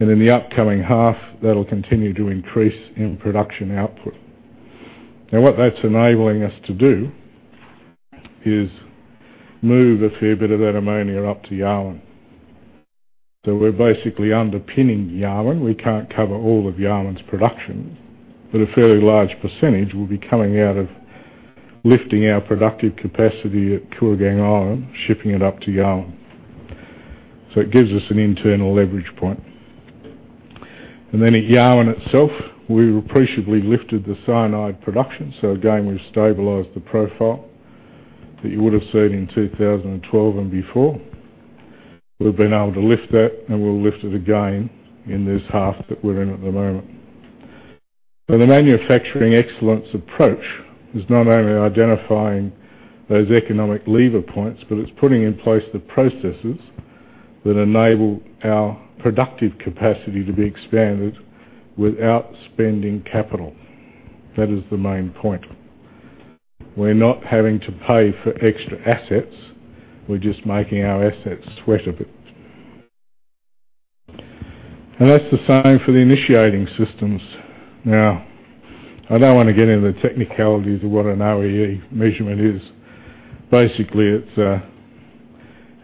In the upcoming half, that'll continue to increase in production output. What that's enabling us to do is move a fair bit of that ammonia up to Yarwun. We're basically underpinning Yarwun. We can't cover all of Yarwun's production, but a fairly large percentage will be coming out of lifting our productive capacity at Kooragang Island, shipping it up to Yarwun. It gives us an internal leverage point. Then at Yarwun itself, we've appreciably lifted the cyanide production. Again, we've stabilized the profile that you would've seen in 2012 and before. We've been able to lift that, and we'll lift it again in this half that we're in at the moment. The manufacturing excellence approach is not only identifying those economic lever points, but it's putting in place the processes that enable our productive capacity to be expanded without spending capital. That is the main point. We're not having to pay for extra assets. We're just making our assets sweat a bit. That's the same for the initiating systems. I don't want to get into the technicalities of what an OEE measurement is. Basically, it's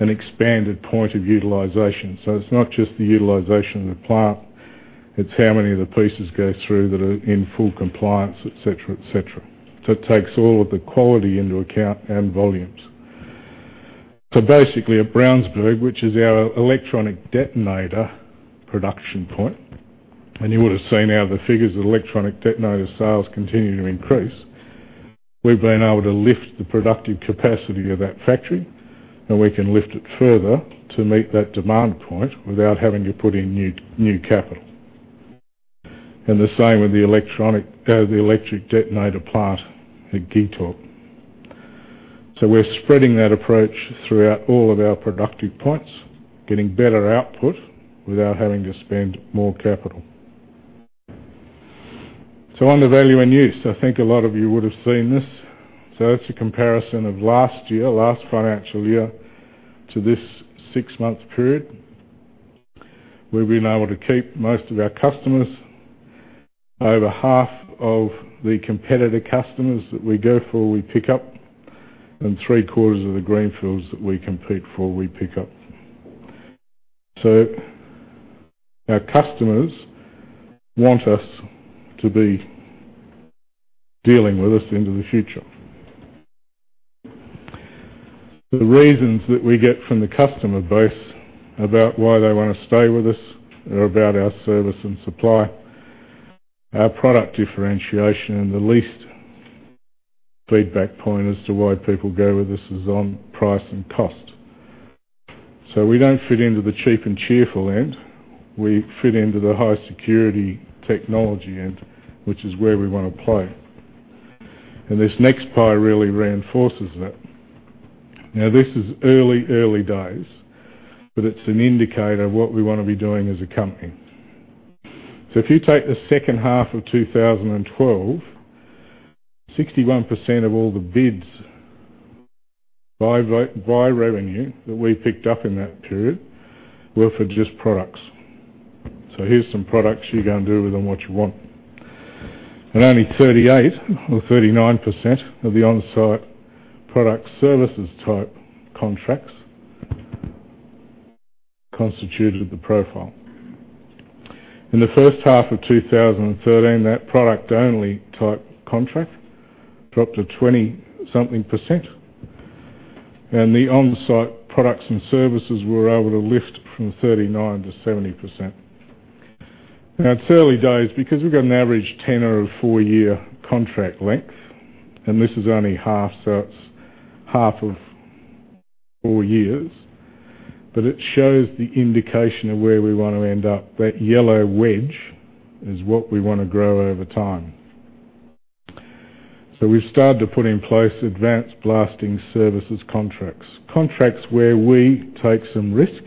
an expanded point of utilization. It's not just the utilization of the plant, it's how many of the pieces go through that are in full compliance, et cetera. It takes all of the quality into account and volumes. Basically at Brownsburg, which is our electronic detonator production point, you would've seen how the figures of electronic detonator sales continue to increase. We've been able to lift the productive capacity of that factory, and we can lift it further to meet that demand point without having to put in new capital. The same with the electric detonator plant at Gyttorp. We're spreading that approach throughout all of our productive points, getting better output without having to spend more capital. On to value in use. I think a lot of you would've seen this. It's a comparison of last year, last financial year, to this six-month period. We've been able to keep most of our customers. Over half of the competitor customers that we go for, we pick up, and three-quarters of the greenfields that we compete for, we pick up. Our customers want us to be dealing with us into the future. The reasons that we get from the customer base about why they want to stay with us are about our service and supply, our product differentiation, and the least feedback point as to why people go with us is on price and cost. We don't fit into the cheap and cheerful end. We fit into the high-security technology end, which is where we want to play. This next pie really reinforces that. This is early days, but it's an indicator of what we want to be doing as a company. If you take the second half of 2012, 61% of all the bids by revenue that we picked up in that period were for just products. Here's some products. You go and do with them what you want. Only 38% or 39% of the on-site product services type contracts constituted the profile. In the first half of 2013, that product-only type contract dropped to 20-something%. The on-site products and services were able to lift from 39%-70%. It's early days because we've got an average tenor of four-year contract length, and this is only half, so it's half of four years. It shows the indication of where we want to end up. That yellow wedge is what we want to grow over time. We've started to put in place advanced blasting services contracts. Contracts where we take some risk,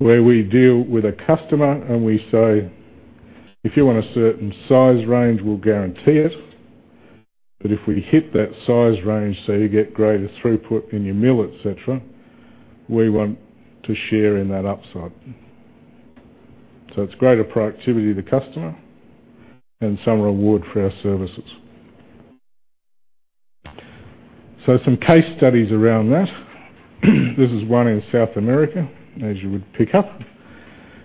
where we deal with a customer and we say, "If you want a certain size range, we'll guarantee it." If we hit that size range so you get greater throughput in your mill, et cetera, we want to share in that upside. It's greater productivity to the customer and some reward for our services. Some case studies around that. This is one in South America, as you would pick up,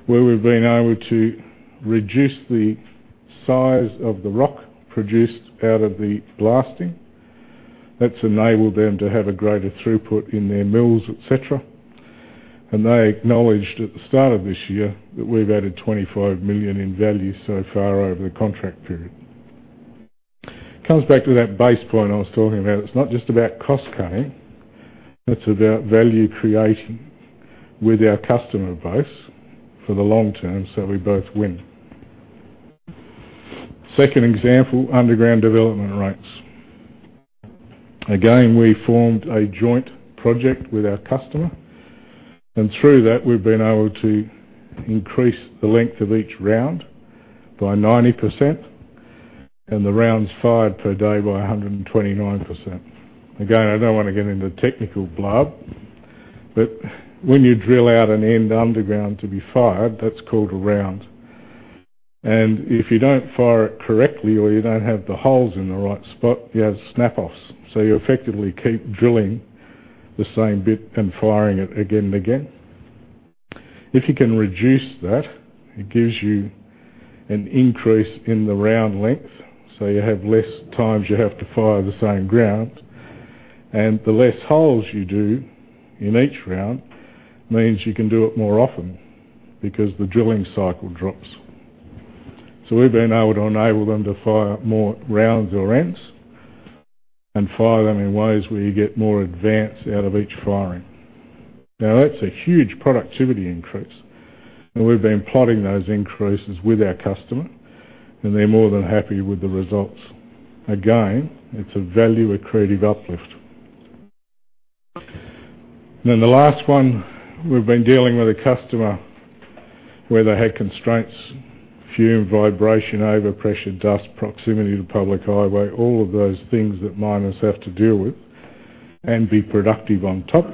where we've been able to reduce the size of the rock produced out of the blasting. That's enabled them to have a greater throughput in their mills, et cetera. They acknowledged at the start of this year that we've added 25 million in value so far over the contract period. Comes back to that base point I was talking about. It's not just about cost cutting, it's about value creation with our customer base for the long term, so we both win. Second example, underground development rates. We formed a joint project with our customer, and through that, we've been able to increase the length of each round by 90%, and the rounds fired per day by 129%. Again, I don't want to get into technical blab, but when you drill out an end underground to be fired, that's called a round. If you don't fire it correctly or you don't have the holes in the right spot, you have snap-offs. You effectively keep drilling the same bit and firing it again and again. If you can reduce that, it gives you an increase in the round length, so you have less times you have to fire the same ground. The less holes you do in each round means you can do it more often because the drilling cycle drops. We've been able to enable them to fire more rounds or ends, and fire them in ways where you get more advance out of each firing. That's a huge productivity increase, and we've been plotting those increases with our customer, and they're more than happy with the results. Again, it's a value-accretive uplift. The last one, we've been dealing with a customer where they had constraints, fume, vibration, overpressure, dust, proximity to public highway, all of those things that miners have to deal with and be productive on top.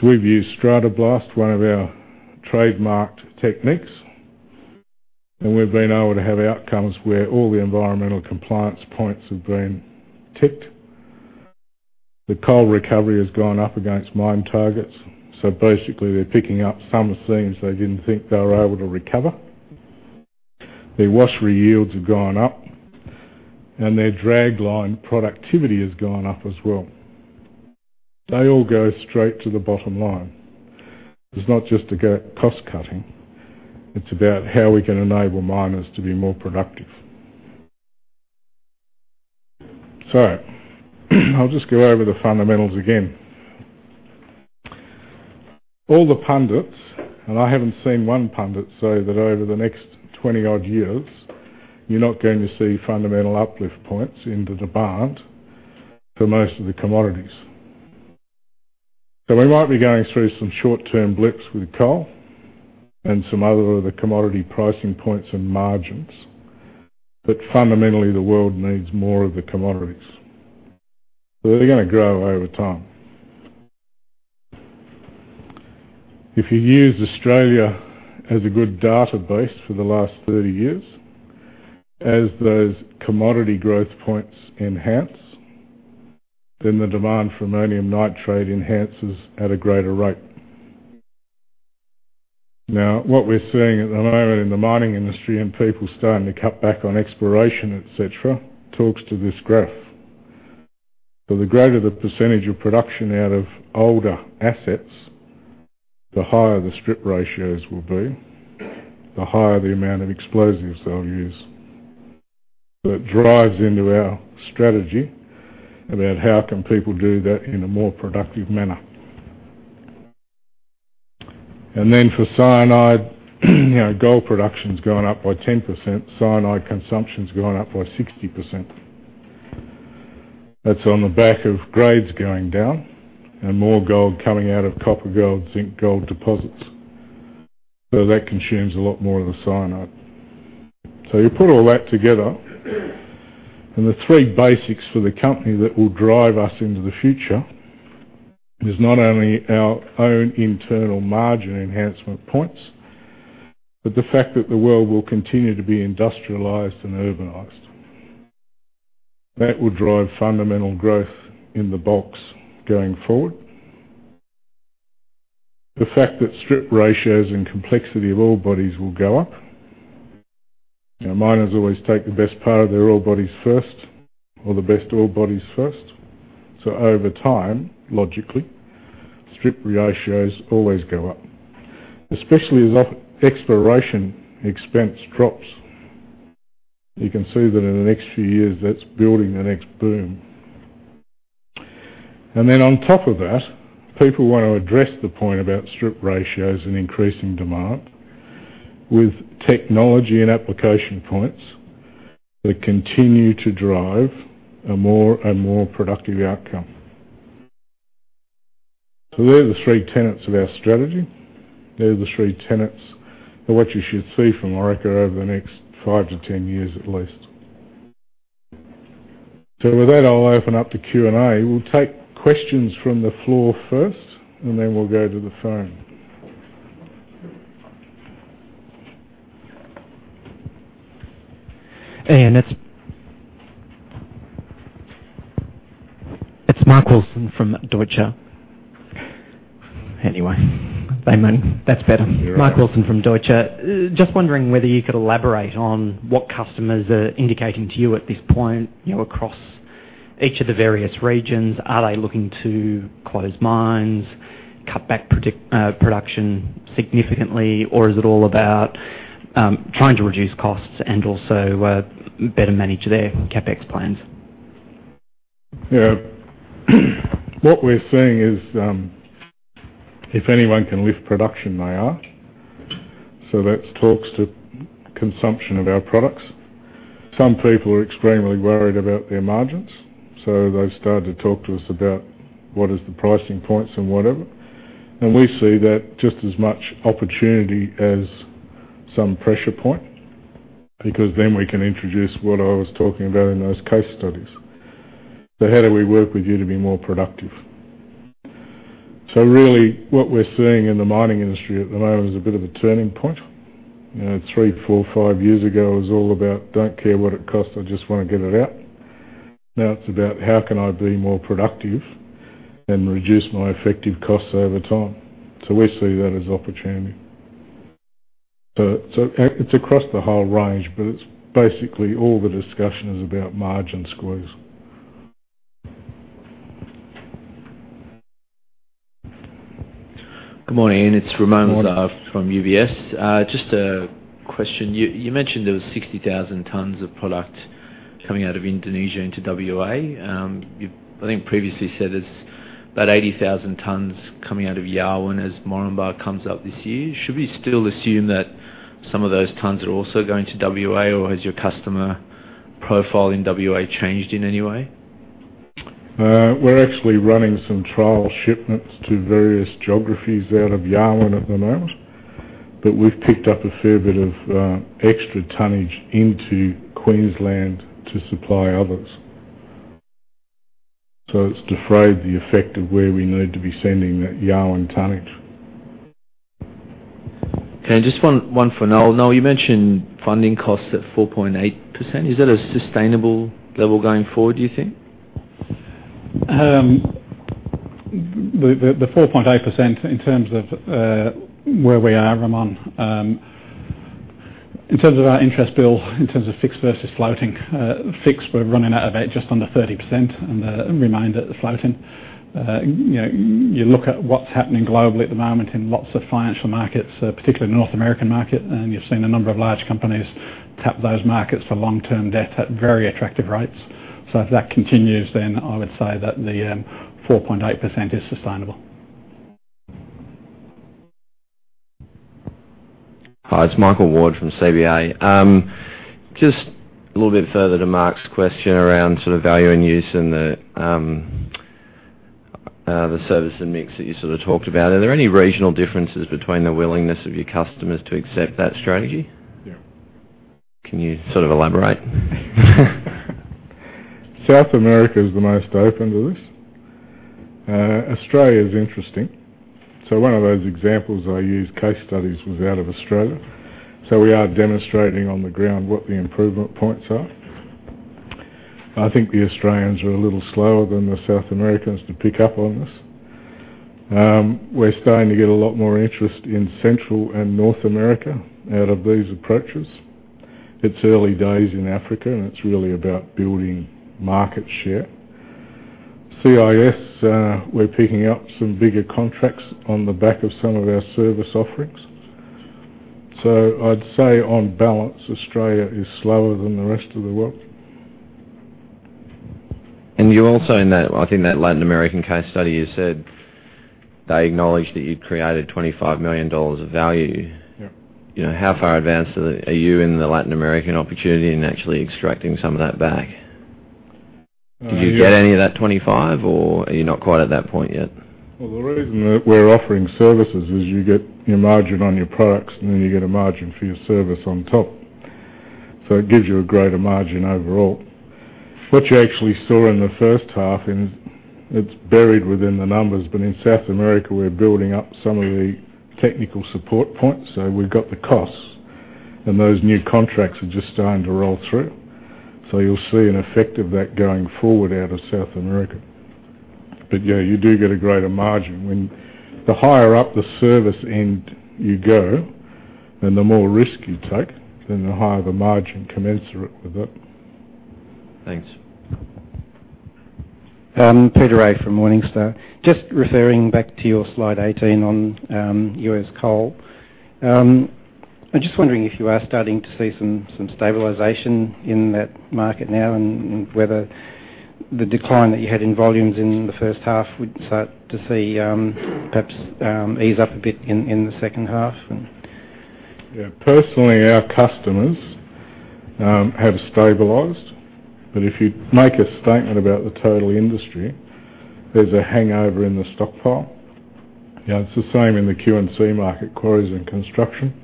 We've used StrataBlast, one of our trademarked techniques, and we've been able to have outcomes where all the environmental compliance points have been ticked. The coal recovery has gone up against mine targets. Basically, they're picking up some seams they didn't think they were able to recover. Their washery yields have gone up, and their dragline productivity has gone up as well. They all go straight to the bottom line. It's not just cost cutting. It's about how we can enable miners to be more productive. I'll just go over the fundamentals again. All the pundits, and I haven't seen one pundit say that over the next 20-odd years, you're not going to see fundamental uplift points in the demand for most of the commodities. We might be going through some short-term blips with coal and some other of the commodity pricing points and margins. Fundamentally, the world needs more of the commodities. They're going to grow over time. If you use Australia as a good data base for the last 30 years, as those commodity growth points enhance, then the demand for ammonium nitrate enhances at a greater rate. What we're seeing at the moment in the mining industry and people starting to cut back on exploration, et cetera, talks to this graph. The greater the percentage of production out of older assets, the higher the strip ratios will be, the higher the amount of explosives they'll use. It drives into our strategy about how can people do that in a more productive manner. Then for cyanide, gold production's gone up by 10%, cyanide consumption's gone up by 60%. That's on the back of grades going down and more gold coming out of copper gold, zinc gold deposits. That consumes a lot more of the cyanide. You put all that together, and the three basics for the company that will drive us into the future is not only our own internal margin enhancement points, but the fact that the world will continue to be industrialized and urbanized. That will drive fundamental growth in the box going forward. The fact that strip ratios and complexity of ore bodies will go up. Miners always take the best part of their ore bodies first or the best ore bodies first. Over time, logically, strip ratios always go up, especially as exploration expense drops. You can see that in the next few years, that's building the next boom. Then on top of that, people want to address the point about strip ratios and increasing demand with technology and application points that continue to drive a more productive outcome. They're the three tenets of our strategy. They're the three tenets of what you should see from Orica over the next five to 10 years at least. With that, I'll open up to Q&A. We'll take questions from the floor first, and then we'll go to the phone. Ian, it's Mark Wilson from Deutsche. Anyway. Amen. That's better. You're right. Mark Wilson from Deutsche. Just wondering whether you could elaborate on what customers are indicating to you at this point, across each of the various regions. Are they looking to close mines, cut back production significantly, or is it all about trying to reduce costs and also better manage their CapEx plans? Yeah. What we're seeing is, if anyone can lift production, they are. That talks to consumption of our products. Some people are extremely worried about their margins, they've started to talk to us about what is the pricing points and whatever. We see that just as much opportunity as some pressure point, because then we can introduce what I was talking about in those case studies. How do we work with you to be more productive? Really what we're seeing in the mining industry at the moment is a bit of a turning point. Three, four, five years ago, it was all about "Don't care what it costs, I just want to get it out." Now it's about, "How can I be more productive and reduce my effective costs over time?" We see that as opportunity. It's across the whole range, but it's basically all the discussion is about margin squeeze. Good morning, Ian. Good morning. It's Ramoun Lazar from UBS. Just a question. You mentioned there was 60,000 tons of product coming out of Indonesia into W.A. You, I think, previously said it's about 80,000 tons coming out of Yarwun as Moranbah comes up this year. Should we still assume that some of those tons are also going to W.A., or has your customer profile in W.A. changed in any way? We're actually running some trial shipments to various geographies out of Yarwun at the moment. We've picked up a fair bit of extra tonnage into Queensland to supply others. It's defrayed the effect of where we need to be sending that Yarwun tonnage. Just one for Noel. Noel, you mentioned funding costs at 4.8%. Is that a sustainable level going forward, do you think? The 4.8% in terms of where we are, Ramoun, in terms of our interest bill, in terms of fixed versus floating. Fixed, we're running at about just under 30%, the remainder is floating. You look at what's happening globally at the moment in lots of financial markets, particularly the North American market, you're seeing a number of large companies tap those markets for long-term debt at very attractive rates. If that continues, I would say that the 4.8% is sustainable. Hi, it's Michael Ward from CBA. Just a little bit further to Mark's question around value in use and the service and mix that you talked about. Are there any regional differences between the willingness of your customers to accept that strategy? Yeah. Can you elaborate? South America is the most open to this. Australia is interesting. One of those examples I used, case studies, was out of Australia. We are demonstrating on the ground what the improvement points are. I think the Australians are a little slower than the South Americans to pick up on this. We're starting to get a lot more interest in Central and North America out of these approaches. It's early days in Africa, and it's really about building market share. CIS, we're picking up some bigger contracts on the back of some of our service offerings. I'd say on balance, Australia is slower than the rest of the world. You also in that Latin American case study, you said they acknowledged that you'd created 25 million dollars of value. Yeah. How far advanced are you in the Latin American opportunity in actually extracting some of that back? Uh, yeah- Did you get any of that 25 or are you not quite at that point yet? Well, the reason that we're offering services is you get your margin on your products, and then you get a margin for your service on top. It gives you a greater margin overall. What you actually saw in the first half, and it's buried within the numbers, but in South America, we're building up some of the technical support points. We've got the costs and those new contracts are just starting to roll through. You'll see an effect of that going forward out of South America. Yeah, you do get a greater margin when the higher up the service end you go and the more risk you take, then the higher the margin commensurate with it. Thanks. Peter A from Morningstar. Just referring back to your slide 18 on U.S. coal. I'm just wondering if you are starting to see some stabilization in that market now, whether the decline that you had in volumes in the first half would start to see perhaps ease up a bit in the second half. Yeah. Personally, our customers have stabilized. If you make a statement about the total industry, there's a hangover in the stockpile. It's the same in the Q&C market, quarries and construction.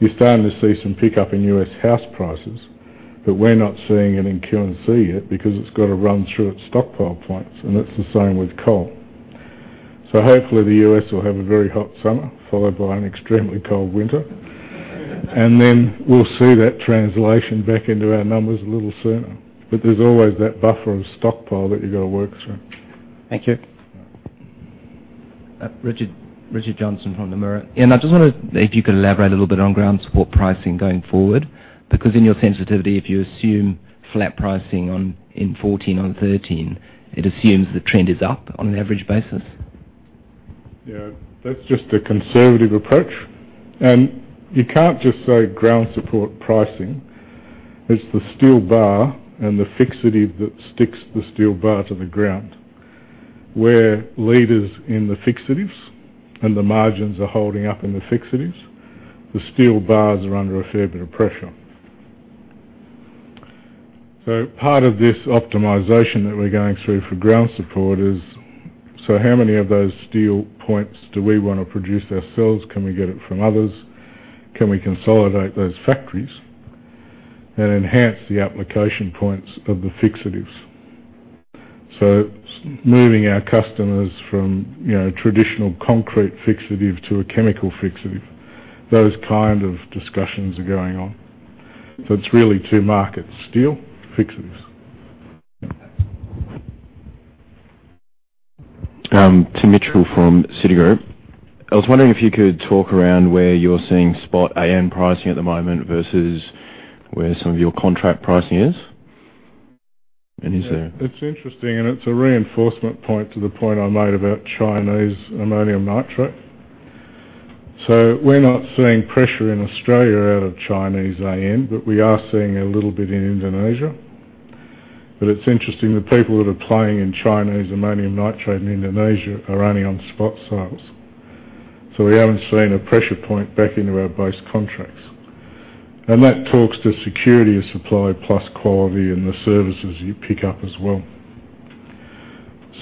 You're starting to see some pickup in U.S. house prices, but we're not seeing it in Q&C yet because it's got to run through its stockpile points, and that's the same with coal. Hopefully, the U.S. will have a very hot summer followed by an extremely cold winter. Then we'll see that translation back into our numbers a little sooner. There's always that buffer of stockpile that you've got to work through. Thank you. Richard Johnson from The Mirror. Ian, I just wonder if you could elaborate a little bit on ground support pricing going forward, because in your sensitivity, if you assume flat pricing in 2014 on 2013, it assumes the trend is up on an average basis. Yeah. That's just a conservative approach. You can't just say ground support pricing. It's the steel bar and the fixity that sticks the steel bar to the ground. We're leaders in the fixities, and the margins are holding up in the fixities. The steel bars are under a fair bit of pressure. Part of this optimization that we're going through for ground support is, how many of those steel points do we want to produce ourselves? Can we get it from others? Can we consolidate those factories and enhance the application points of the fixities? Moving our customers from traditional concrete fixity to a chemical fixity. Those kind of discussions are going on. It's really two markets, steel, fixities. Tim Mitchell from Citigroup. I was wondering if you could talk around where you're seeing spot AN pricing at the moment versus where some of your contract pricing is. It's interesting, and it's a reinforcement point to the point I made about Chinese ammonium nitrate. We're not seeing pressure in Australia out of Chinese AN, but we are seeing a little bit in Indonesia. It's interesting, the people that are playing in Chinese ammonium nitrate in Indonesia are only on spot sales. We haven't seen a pressure point back into our base contracts. That talks to security of supply plus quality and the services you pick up as well.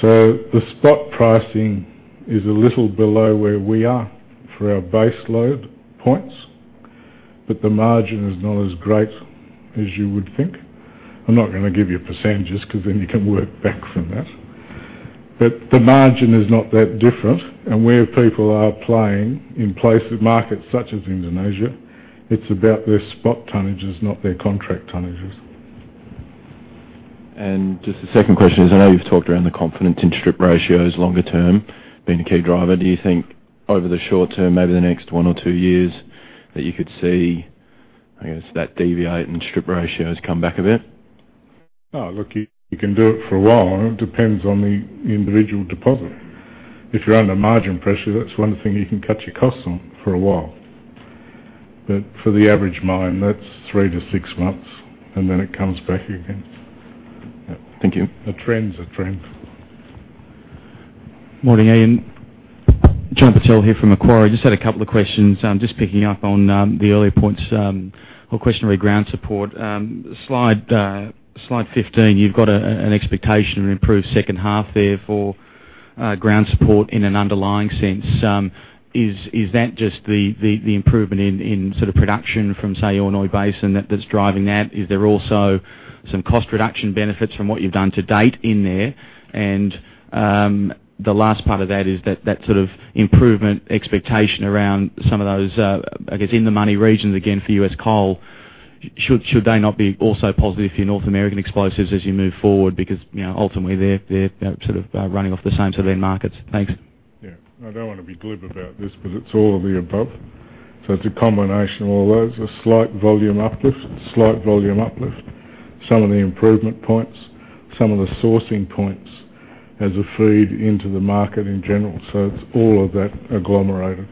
The spot pricing is a little below where we are for our base load points, but the margin is not as great as you would think. I'm not going to give you percentages because then you can work back from that. The margin is not that different. Where people are playing in markets such as Indonesia, it's about their spot tonnages, not their contract tonnages. Just the second question is, I know you've talked around the confidence in strip ratios longer term being a key driver. Do you think over the short term, maybe the next one or two years, that you could see, I guess, that deviate in strip ratios come back a bit? Look, you can do it for a while. It depends on the individual deposit. If you're under margin pressure, that's one thing you can cut your costs on for a while. For the average mine, that's three to six months, and then it comes back again. Thank you. A trend's a trend. Morning, Ian. John Purtell here from Macquarie. Just had a couple of questions. Just picking up on the earlier points or question around ground support. Slide 15, you've got an expectation of improved second half there for ground support in an underlying sense. Is that just the improvement in sort of production from, say, Orinoco Basin that's driving that? Is there also some cost reduction benefits from what you've done to date in there? The last part of that is that sort of improvement expectation around some of those, I guess, in the money regions, again, for U.S. coal. Should they not be also positive for North American explosives as you move forward? Because ultimately, they're sort of running off the same sort of end markets. Thanks. Yeah. I don't want to be glib about this, but it's all of the above. It's a combination of all those. A slight volume uplift, some of the improvement points, some of the sourcing points as a feed into the market in general. It's all of that agglomerated.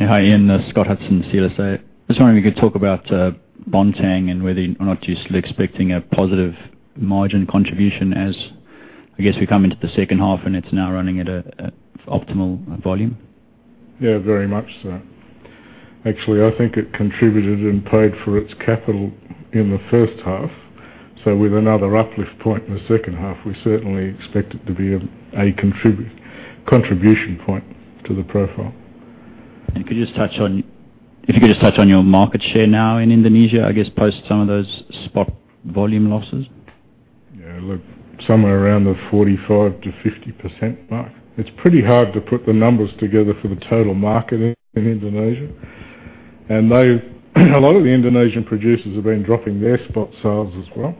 Hi, Ian. Scott Hudson, CLSA. Just wondering if you could talk about Bontang and whether or not you're still expecting a positive margin contribution as, I guess, we come into the second half and it's now running at optimal volume. Yeah, very much so. Actually, I think it contributed and paid for its capital in the first half. With another uplift point in the second half, we certainly expect it to be a contribution point to the profile. Could you just touch on your market share now in Indonesia, I guess, post some of those spot volume losses? Yeah, look, somewhere around the 45%-50% mark. It's pretty hard to put the numbers together for the total market in Indonesia. A lot of the Indonesian producers have been dropping their spot sales as well.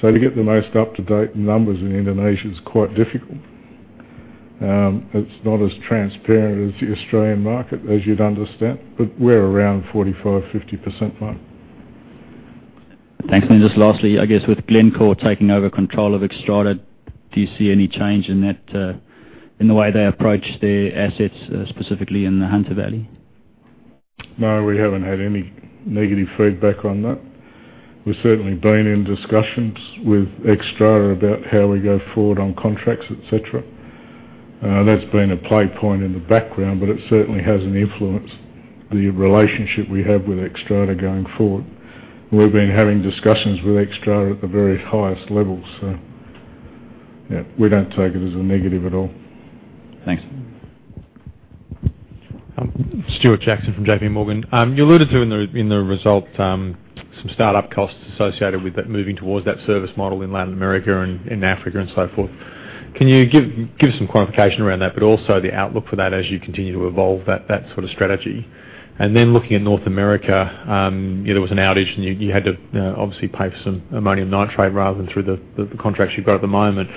To get the most up-to-date numbers in Indonesia is quite difficult. It's not as transparent as the Australian market, as you'd understand, but we're around 45%-50% mark. Thanks. Just lastly, I guess, with Glencore taking over control of Xstrata, do you see any change in the way they approach their assets, specifically in the Hunter Valley? No, we haven't had any negative feedback on that. We've certainly been in discussions with Xstrata about how we go forward on contracts, et cetera. That's been a play point in the background, but it certainly hasn't influenced the relationship we have with Xstrata going forward. We've been having discussions with Xstrata at the very highest levels, so yeah. We don't take it as a negative at all. Thanks. Stuart Jackson from JPMorgan. You alluded to in the result, some start-up costs associated with that moving towards that service model in Latin America and in Africa and so forth. Can you give some quantification around that, but also the outlook for that as you continue to evolve that sort of strategy? Looking at North America, there was an outage, and you had to obviously pay for some ammonium nitrate rather than through the contracts you've got at the moment.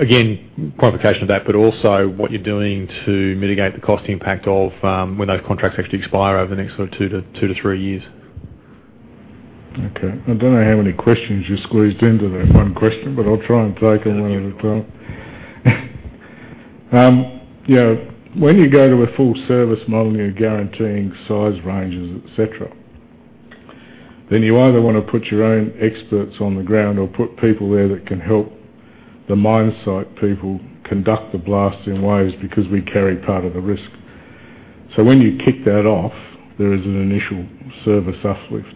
Again, quantification of that, but also what you're doing to mitigate the cost impact of when those contracts actually expire over the next sort of two to three years. Okay. I don't know how many questions you squeezed into that one question, I'll try and take them one at a time. When you go to a full service model and you're guaranteeing size ranges, et cetera, then you either want to put your own experts on the ground or put people there that can help the mine site people conduct the blasts in ways because we carry part of the risk. When you kick that off, there is an initial service uplift.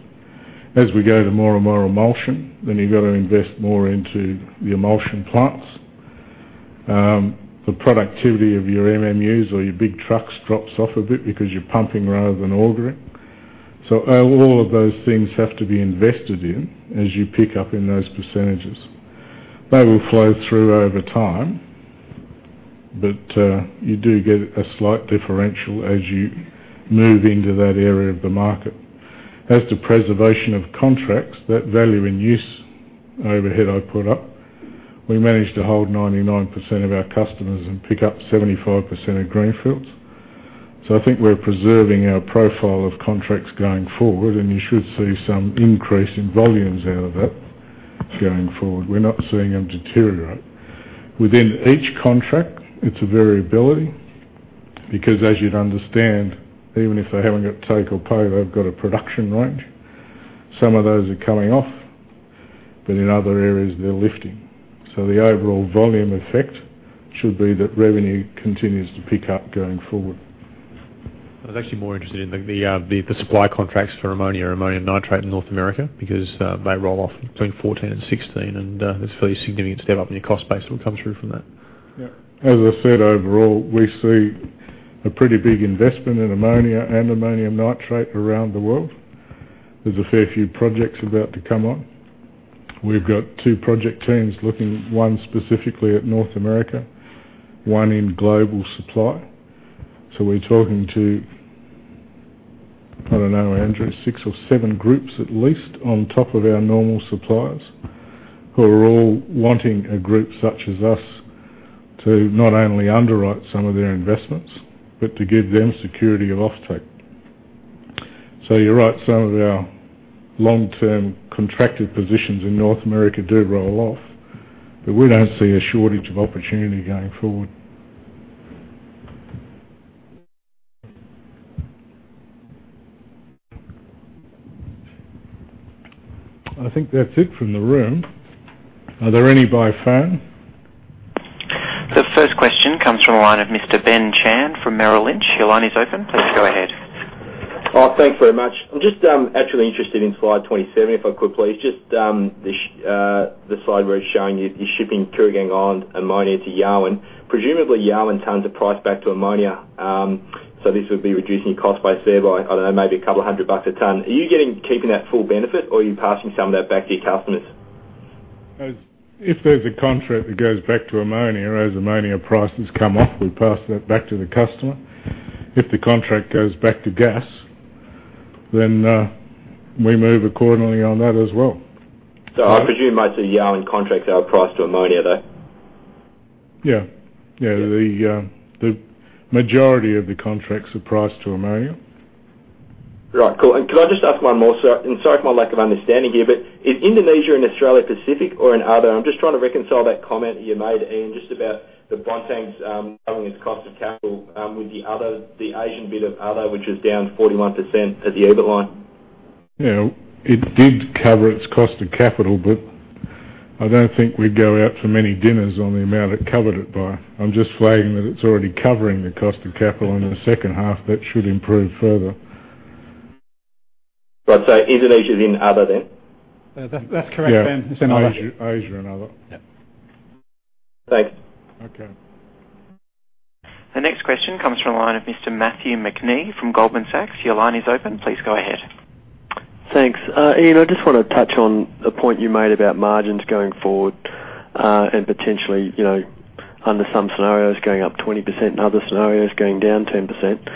As we go to more and more emulsion, you've got to invest more into the emulsion plants. The productivity of your MMUs or your big trucks drops off a bit because you're pumping rather than augering. All of those things have to be invested in as you pick up in those percentages. They will flow through over time, you do get a slight differential as you move into that area of the market. As to preservation of contracts, that value in use overhead I put up, we managed to hold 99% of our customers and pick up 75% of greenfields. I think we're preserving our profile of contracts going forward, and you should see some increase in volumes out of that going forward. We're not seeing them deteriorate. Within each contract, it's a variability because as you'd understand, even if they haven't got take or pay, they've got a production range. Some of those are coming off, in other areas, they're lifting. The overall volume effect should be that revenue continues to pick up going forward. I was actually more interested in the supply contracts for ammonia or ammonium nitrate in North America because they roll off between 2014 and 2016, it's a fairly significant step up in your cost base what will come through from that. Yeah. As I said, overall, we see a pretty big investment in ammonia and ammonium nitrate around the world. There's a fair few projects about to come on. We've got two project teams looking, one specifically at North America, one in global supply. We're talking to, I don't know, Andrew, six or seven groups, at least, on top of our normal suppliers, who are all wanting a group such as us to not only underwrite some of their investments, but to give them security of offtake. You're right, some of our long-term contracted positions in North America do roll off, we don't see a shortage of opportunity going forward. I think that's it from the room. Are there any by phone? The first question comes from the line of Mr. Ben Chan from Merrill Lynch. Your line is open. Please go ahead. Thanks very much. I'm just actually interested in slide 27, if I could, please. Just the slide where it's showing you're shipping Kooragang on ammonia to Yarwun. Presumably, Yarwun turns a price back to ammonia, this would be reducing your cost base there by, I don't know, maybe a couple of hundred AUD a ton. Are you keeping that full benefit, or are you passing some of that back to your customers? If there's a contract that goes back to ammonia, as ammonia prices come off, we pass that back to the customer. If the contract goes back to gas, we move accordingly on that as well. I presume most of the Yarwun contracts are priced to ammonia, though. Yeah. The majority of the contracts are priced to ammonia. Right. Cool. Could I just ask one more, sir, and sorry for my lack of understanding here, but is Indonesia in Australia Pacific or in other? I'm just trying to reconcile that comment that you made, Ian, just about the Bontang's covering its cost of capital with the Asian bit of other, which is down 41% at the EBIT line. Yeah. It did cover its cost of capital, but I don't think we'd go out for many dinners on the amount it covered it by. I'm just flagging that it's already covering the cost of capital in the second half. That should improve further. Right. Indonesia's in other, then? That's correct, Ben. It's in other. Yeah. Asia and other. Yeah. Thanks. Okay. The next question comes from the line of Mr Matthew McNee from Goldman Sachs. Your line is open. Please go ahead. Thanks. Ian, I just want to touch on a point you made about margins going forward, and potentially, under some scenarios, going up 20%, in other scenarios, going down 10%.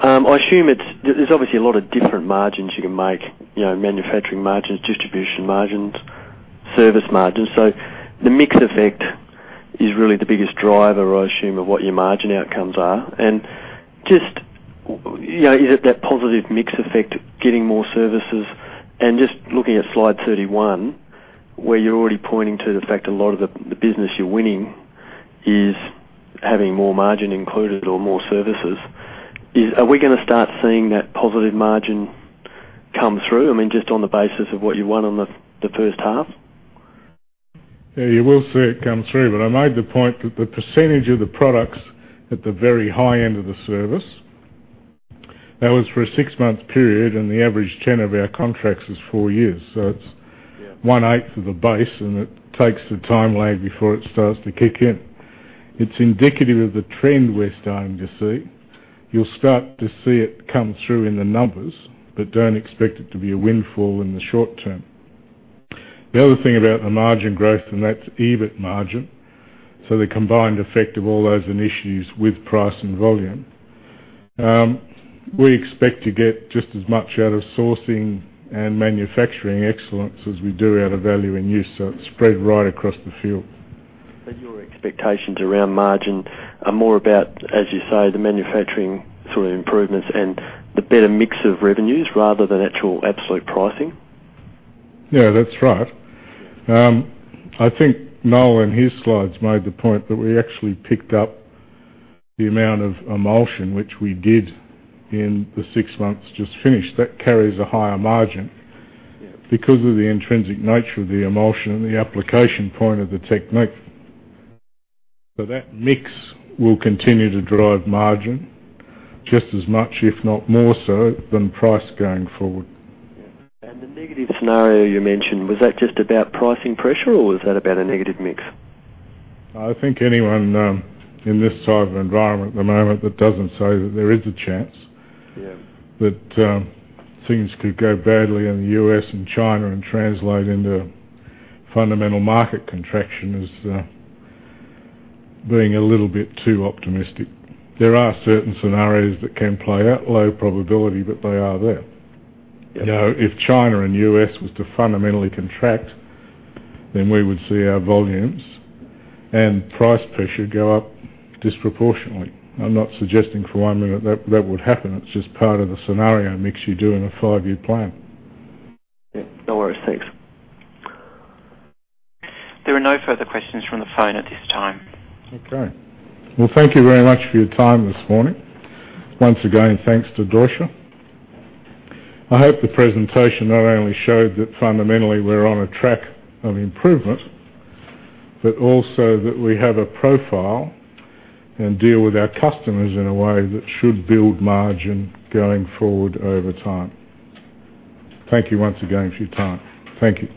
I assume there's obviously a lot of different margins you can make, manufacturing margins, distribution margins, service margins. The mix effect is really the biggest driver, I assume, of what your margin outcomes are. Is it that positive mix effect of getting more services? Just looking at slide 31, where you're already pointing to the fact a lot of the business you're winning Is having more margin included or more services. Are we going to start seeing that positive margin come through? I mean, just on the basis of what you won on the first half? Yeah, you will see it come through. I made the point that the percentage of the products at the very high end of the service, that was for a six-month period, and the average 10 of our contracts is four years. It's. Yeah One-eighth of the base, and it takes the time lag before it starts to kick in. It's indicative of the trend we're starting to see. You'll start to see it come through in the numbers, but don't expect it to be a windfall in the short term. The other thing about the margin growth, and that's EBIT margin, so the combined effect of all those initiatives with price and volume. We expect to get just as much out of sourcing and manufacturing excellence as we do out of value and use, so it's spread right across the field. Your expectations around margin are more about, as you say, the manufacturing sort of improvements and the better mix of revenues rather than actual absolute pricing? Yeah, that's right. I think Noel, in his slides, made the point that we actually picked up the amount of emulsion, which we did in the six months just finished. That carries a higher margin. Yeah Because of the intrinsic nature of the emulsion and the application point of the technique. That mix will continue to drive margin just as much, if not more so, than price going forward. Yeah. The negative scenario you mentioned, was that just about pricing pressure or was that about a negative mix? I think anyone in this type of environment at the moment that doesn't say that there is a chance- Yeah that things could go badly in the U.S. and China and translate into fundamental market contraction is doing a little bit too optimistic. There are certain scenarios that can play out, low probability, but they are there. Yeah. If China and U.S. was to fundamentally contract, then we would see our volumes and price pressure go up disproportionately. I'm not suggesting for one minute that that would happen. It's just part of the scenario mix you do in a five-year plan. Yeah. No worries. Thanks. There are no further questions from the phone at this time. Okay. Well, thank you very much for your time this morning. Once again, thanks to Deutsche. I hope the presentation not only showed that fundamentally we're on a track of improvement, but also that we have a profile and deal with our customers in a way that should build margin going forward over time. Thank you once again for your time. Thank you.